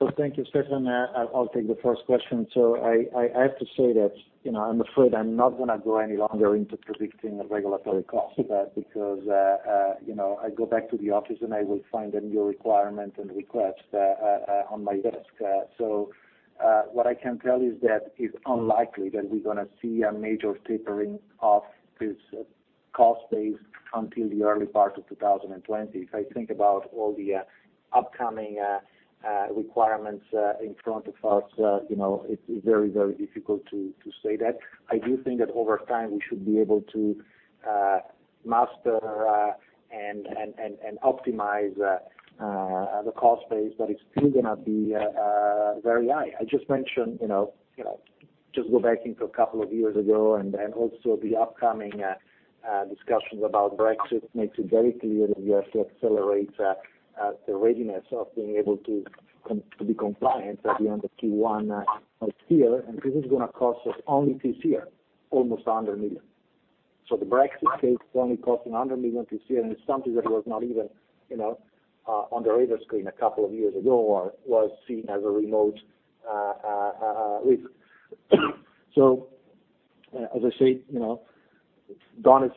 Well, thank you, Stefan. I'll take the first question. I have to say that, I'm afraid I'm not going to go any longer into predicting the regulatory cost of that because, I go back to the office, and I will find a new requirement and request on my desk. What I can tell you is that it's unlikely that we're going to see a major tapering off this cost base until the early part of 2020. If I think about all the upcoming requirements in front of us, it's very, very difficult to say that. I do think that over time, we should be able to master and optimize the cost base, but it's still going to be very high. I just mentioned, just go back into a couple of years ago, then also the upcoming discussions about Brexit makes it very clear that we have to accelerate the readiness of being able to be compliant at the end of Q1 of this year. This is going to cost us only this year, almost 100 million. The Brexit case is only costing 100 million this year, and it's something that was not even on the radar screen a couple of years ago or was seen as a remote risk. As I say,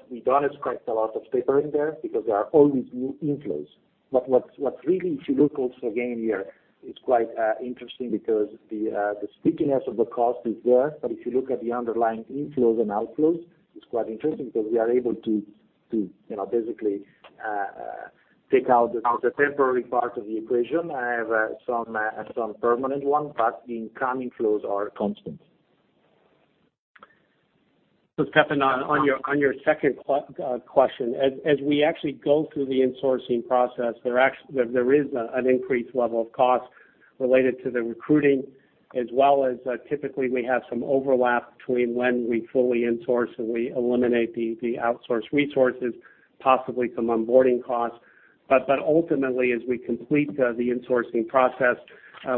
we've done quite a lot of tapering there because there are always new inflows. What's really, if you look also again here, it's quite interesting because the stickiness of the cost is there. If you look at the underlying inflows and outflows, it's quite interesting because we are able to basically take out the temporary part of the equation. I have some permanent one, but the incoming flows are constant. Stefan, on your second question, as we actually go through the insourcing process, there is an increased level of cost related to the recruiting, as well as typically we have some overlap between when we fully insource and we eliminate the outsource resources, possibly some onboarding costs. Ultimately, as we complete the insourcing process,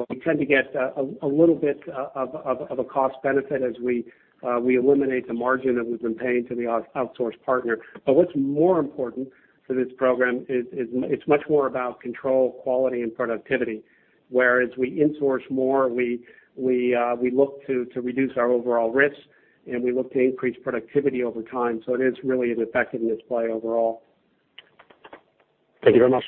we tend to get a little bit of a cost benefit as we eliminate the margin that we've been paying to the outsource partner. What's more important for this program is it's much more about control, quality, and productivity. Whereas we insource more, we look to reduce our overall risk, and we look to increase productivity over time. It is really an effectiveness play overall. Thank you very much.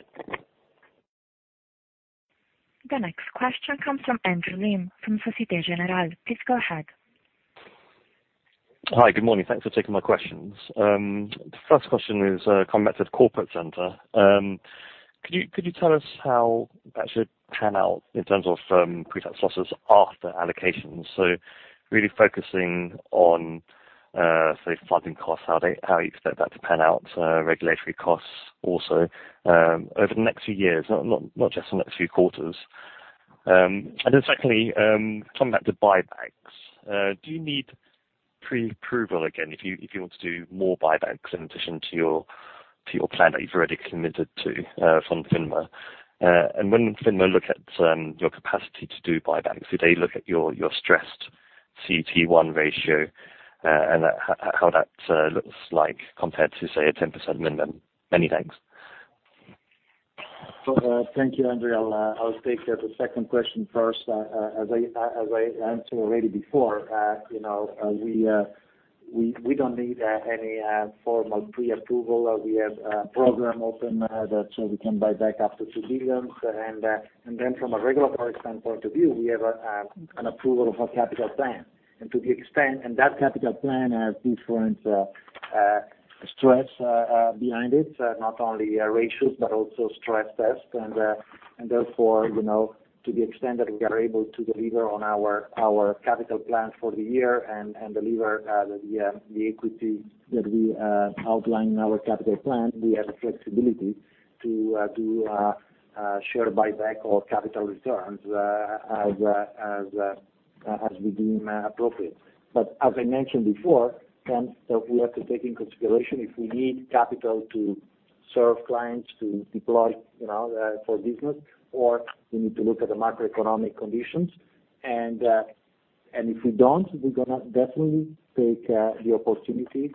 The next question comes from Andrew Lim from Societe Generale. Please go ahead. Hi, good morning. Thanks for taking my questions. The first question is connected to Corporate Center. Could you tell us how that should pan out in terms of pre-tax losses after allocations? Really focusing on say funding costs, how you expect that to pan out, regulatory costs also, over the next few years, not just in the next few quarters. Secondly, coming back to buybacks. Do you need pre-approval again if you want to do more buybacks in addition to your plan that you've already committed to from FINMA? When FINMA look at your capacity to do buybacks, do they look at your stressed CET1 ratio and how that looks like compared to, say, a 10% minimum? Many thanks. Thank you, Andrew. I'll take the second question first. As I answered already before, we don't need any formal pre-approval. We have a program open so we can buy back up to 2 billion. From a regulatory standpoint of view, we have an approval of a capital plan. That capital plan has different stress behind it, not only ratios but also stress test. To the extent that we are able to deliver on our capital plan for the year and deliver the equity that we outline in our capital plan, we have the flexibility to do a share buyback or capital returns as we deem appropriate. As I mentioned before, we have to take into consideration if we need capital to serve clients, to deploy for business, or we need to look at the macroeconomic conditions. If we don't, we're going to definitely take the opportunity,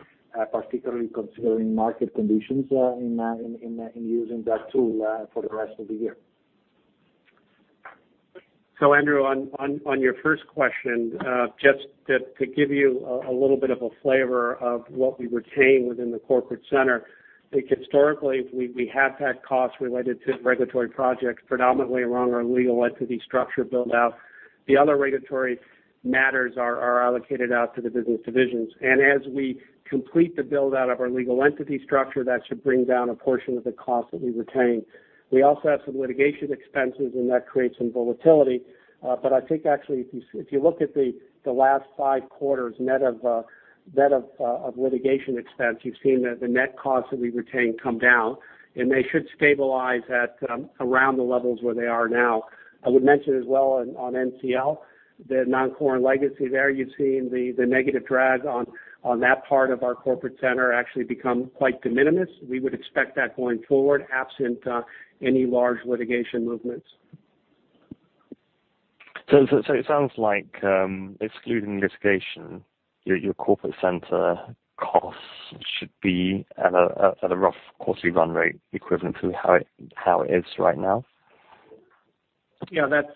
particularly considering market conditions, in using that tool for the rest of the year. Andrew, on your first question, just to give you a little bit of a flavor of what we retain within the Corporate Center, I think historically, we have had costs related to regulatory projects, predominantly around our legal entity structure build-out. The other regulatory matters are allocated out to the business divisions. As we complete the build-out of our legal entity structure, that should bring down a portion of the cost that we retain. We also have some litigation expenses, and that creates some volatility. I think actually, if you look at the last five quarters net of litigation expense, you've seen that the net cost that we retain come down, and they should stabilize at around the levels where they are now. I would mention as well on NCL, the non-core legacy there, you've seen the negative drag on that part of our Corporate Center actually become quite de minimis. We would expect that going forward, absent any large litigation movements. It sounds like, excluding litigation, your Corporate Center costs should be at a rough quarterly run rate equivalent to how it is right now. Yeah, that's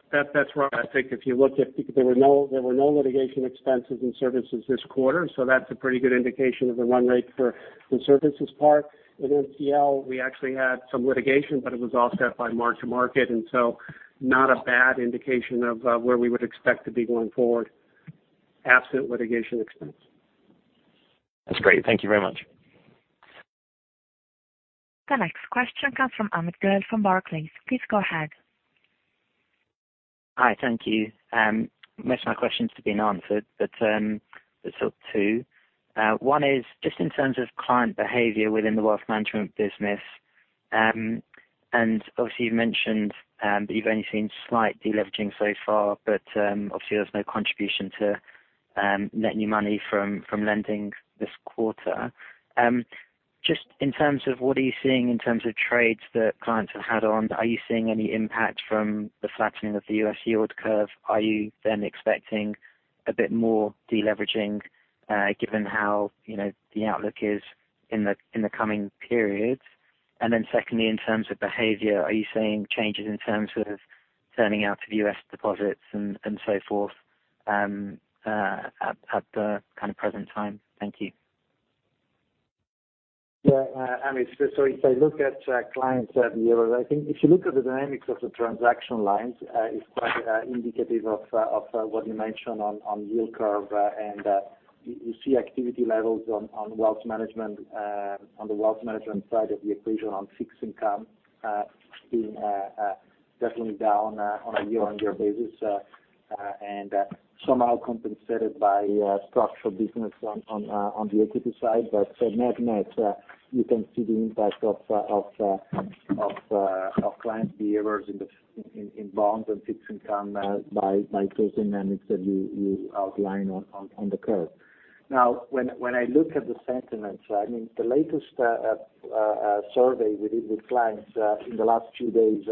right. I think if you look at, there were no litigation expenses in services this quarter, so that's a pretty good indication of the run rate for the services part. In NCL, we actually had some litigation, but it was offset by mark to market, and so not a bad indication of where we would expect to be going forward absent litigation expense. That's great. Thank you very much. The next question comes from Amit Goel from Barclays. Please go ahead. Hi, thank you. Most of my questions have been answered, but there's still two. One is just in terms of client behavior within the Wealth Management business. Obviously, you've mentioned that you've only seen slight deleveraging so far, but obviously, there's no contribution to net new money from lending this quarter. Just in terms of what are you seeing in terms of trades that clients have had on, are you seeing any impact from the flattening of the U.S. yield curve? Are you expecting a bit more deleveraging given how the outlook is in the coming periods? Secondly, in terms of behavior, are you seeing changes in terms of turning out of U.S. deposits and so forth at the present time? Thank you. Yeah. Amit, if I look at client behavior, I think if you look at the dynamics of the transaction lines, it's quite indicative of what you mentioned on yield curve. You see activity levels on the Wealth Management side of the equation on fixed-income being definitely down on a year-on-year basis and somehow compensated by structural business on the equity side. Net-net, you can see the impact of client behaviors in bonds and fixed-income by those dynamics that you outline on the curve. When I look at the sentiments, the latest survey we did with clients in the last few days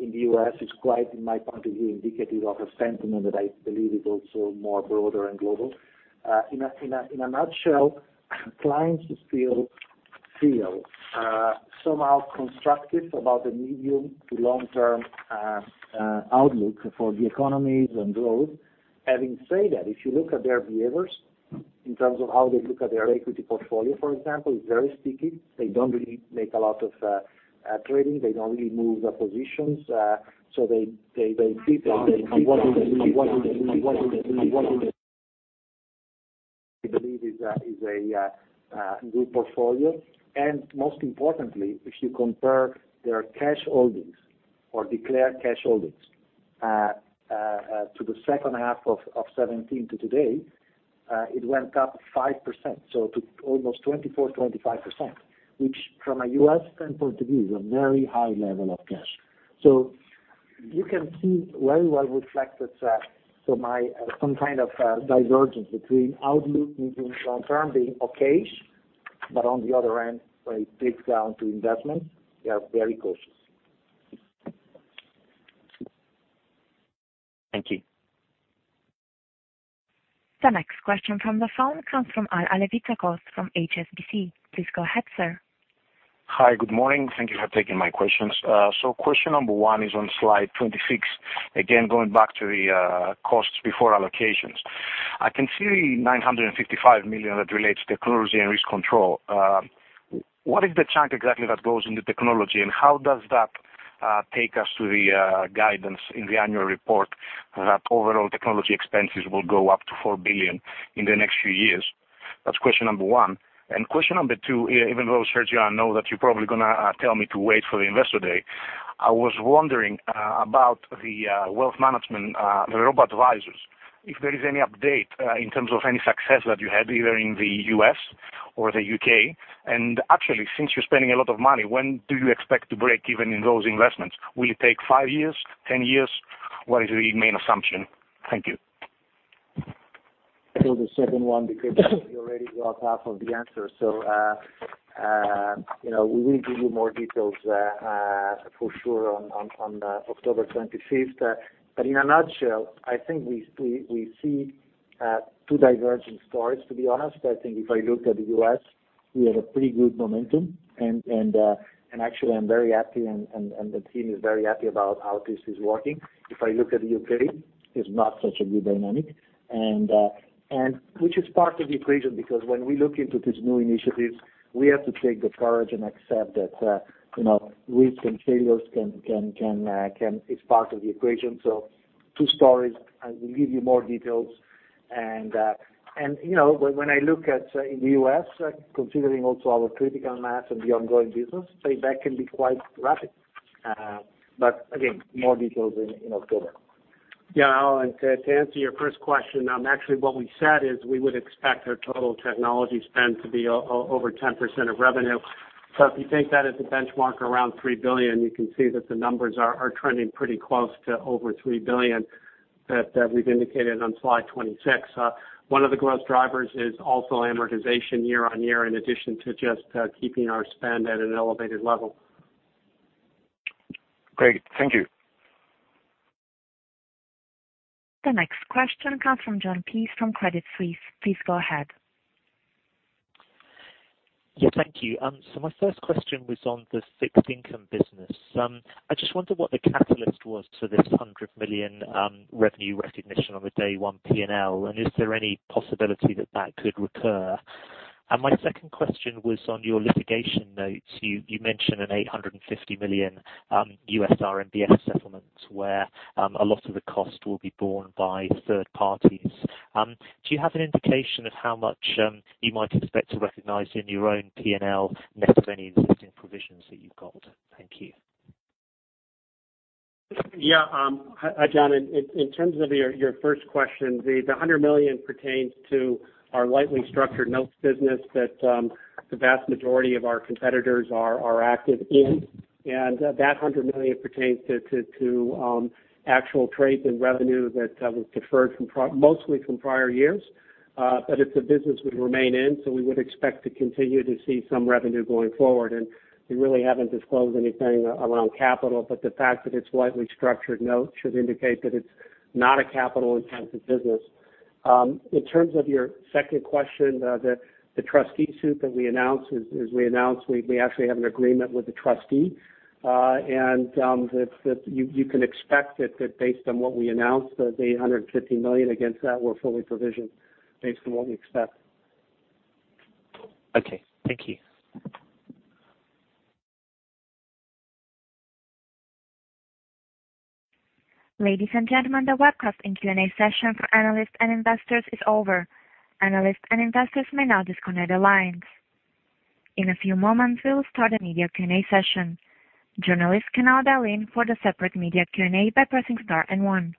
in the U.S. is quite, in my point of view, indicative of a sentiment that I believe is also more broader and global. In a nutshell, clients still feel somehow constructive about the medium- to long-term outlook for the economies and growth. Having said that, if you look at their behaviors in terms of how they look at their equity portfolio, for example, it's very sticky. They don't really make a lot of trading. They don't really move their positions. They sit on what they believe is a good portfolio. Most importantly, if you compare their cash holdings or declared cash holdings to the second half of 2017 to today, it went up 5%, to almost 24%, 25%, which from a U.S. standpoint of view, is a very high level of cash. You can see very well reflected some kind of divergence between outlook, medium- to long-term being okay, but on the other end, when it gets down to investments, they are very cautious. Thank you. The next question from the phone comes from AL Alevizakos from HSBC. Please go ahead, sir. Hi. Good morning. Thank you for taking my questions. Question number one is on slide 26. Again, going back to the costs before allocations. I can see the 955 million that relates to technology and risk control. What is the chunk exactly that goes into technology, and how does that take us to the guidance in the annual report that overall technology expenses will go up to 4 billion in the next few years? That's question number one. Question number two, even though, Sergio, I know that you're probably going to tell me to wait for the Investor Day. I was wondering about the Wealth Management, the robo-advisors, if there is any update in terms of any success that you had either in the U.S. or the U.K. Actually, since you're spending a lot of money, when do you expect to break even in those investments? Will it take five years, 10 years? What is the main assumption? Thank you. I'll do the second one because you already got half of the answer. We will give you more details for sure on October 25th. In a nutshell, I think we see two divergent stories, to be honest. I think if I look at the U.S., we have a pretty good momentum, and actually I'm very happy and the team is very happy about how this is working. If I look at the U.K., it's not such a good dynamic, which is part of the equation because when we look into these new initiatives, we have to take the courage and accept that risks and failures is part of the equation. Two stories. I will give you more details. When I look at in the U.S., considering also our critical mass and the ongoing business, payback can be quite rapid. Again, more details in October. Yeah. To answer your first question, actually what we said is we would expect our total technology spend to be over 10% of revenue. If you take that as a benchmark around 3 billion, you can see that the numbers are trending pretty close to over 3 billion, that we've indicated on slide 26. One of the growth drivers is also amortization year-over-year, in addition to just keeping our spend at an elevated level. Great. Thank you. The next question comes from Jon Peace from Credit Suisse. Please go ahead. Yeah. Thank you. My first question was on the fixed-income business. I just wonder what the catalyst was for this 100 million revenue recognition on the day one P&L. Is there any possibility that that could recur? My second question was on your litigation notes. You mentioned a 850 million U.S. RMBS settlement where a lot of the cost will be borne by third parties. Do you have an indication of how much you might expect to recognize in your own P&L net of any existing provisions that you've got? Thank you. Yeah. Jon, in terms of your first question, the 100 million pertains to our lightly structured notes business that the vast majority of our competitors are active in. That 100 million pertains to actual trades and revenue that was deferred mostly from prior years. It's a business we'd remain in, so we would expect to continue to see some revenue going forward. We really haven't disclosed anything around capital, but the fact that it's lightly structured notes should indicate that it's not a capital-intensive business. In terms of your second question, the trustee suit that we announced, as we announced, we actually have an agreement with the trustee. You can expect that based on what we announced, the 850 million against that were fully provisioned based on what we expect. Okay. Thank you. Ladies and gentlemen, the webcast and Q&A session for analysts and investors is over. Analysts and investors may now disconnect the lines. In a few moments, we will start a media Q&A session. Journalists can now dial in for the separate media Q&A by pressing star and one.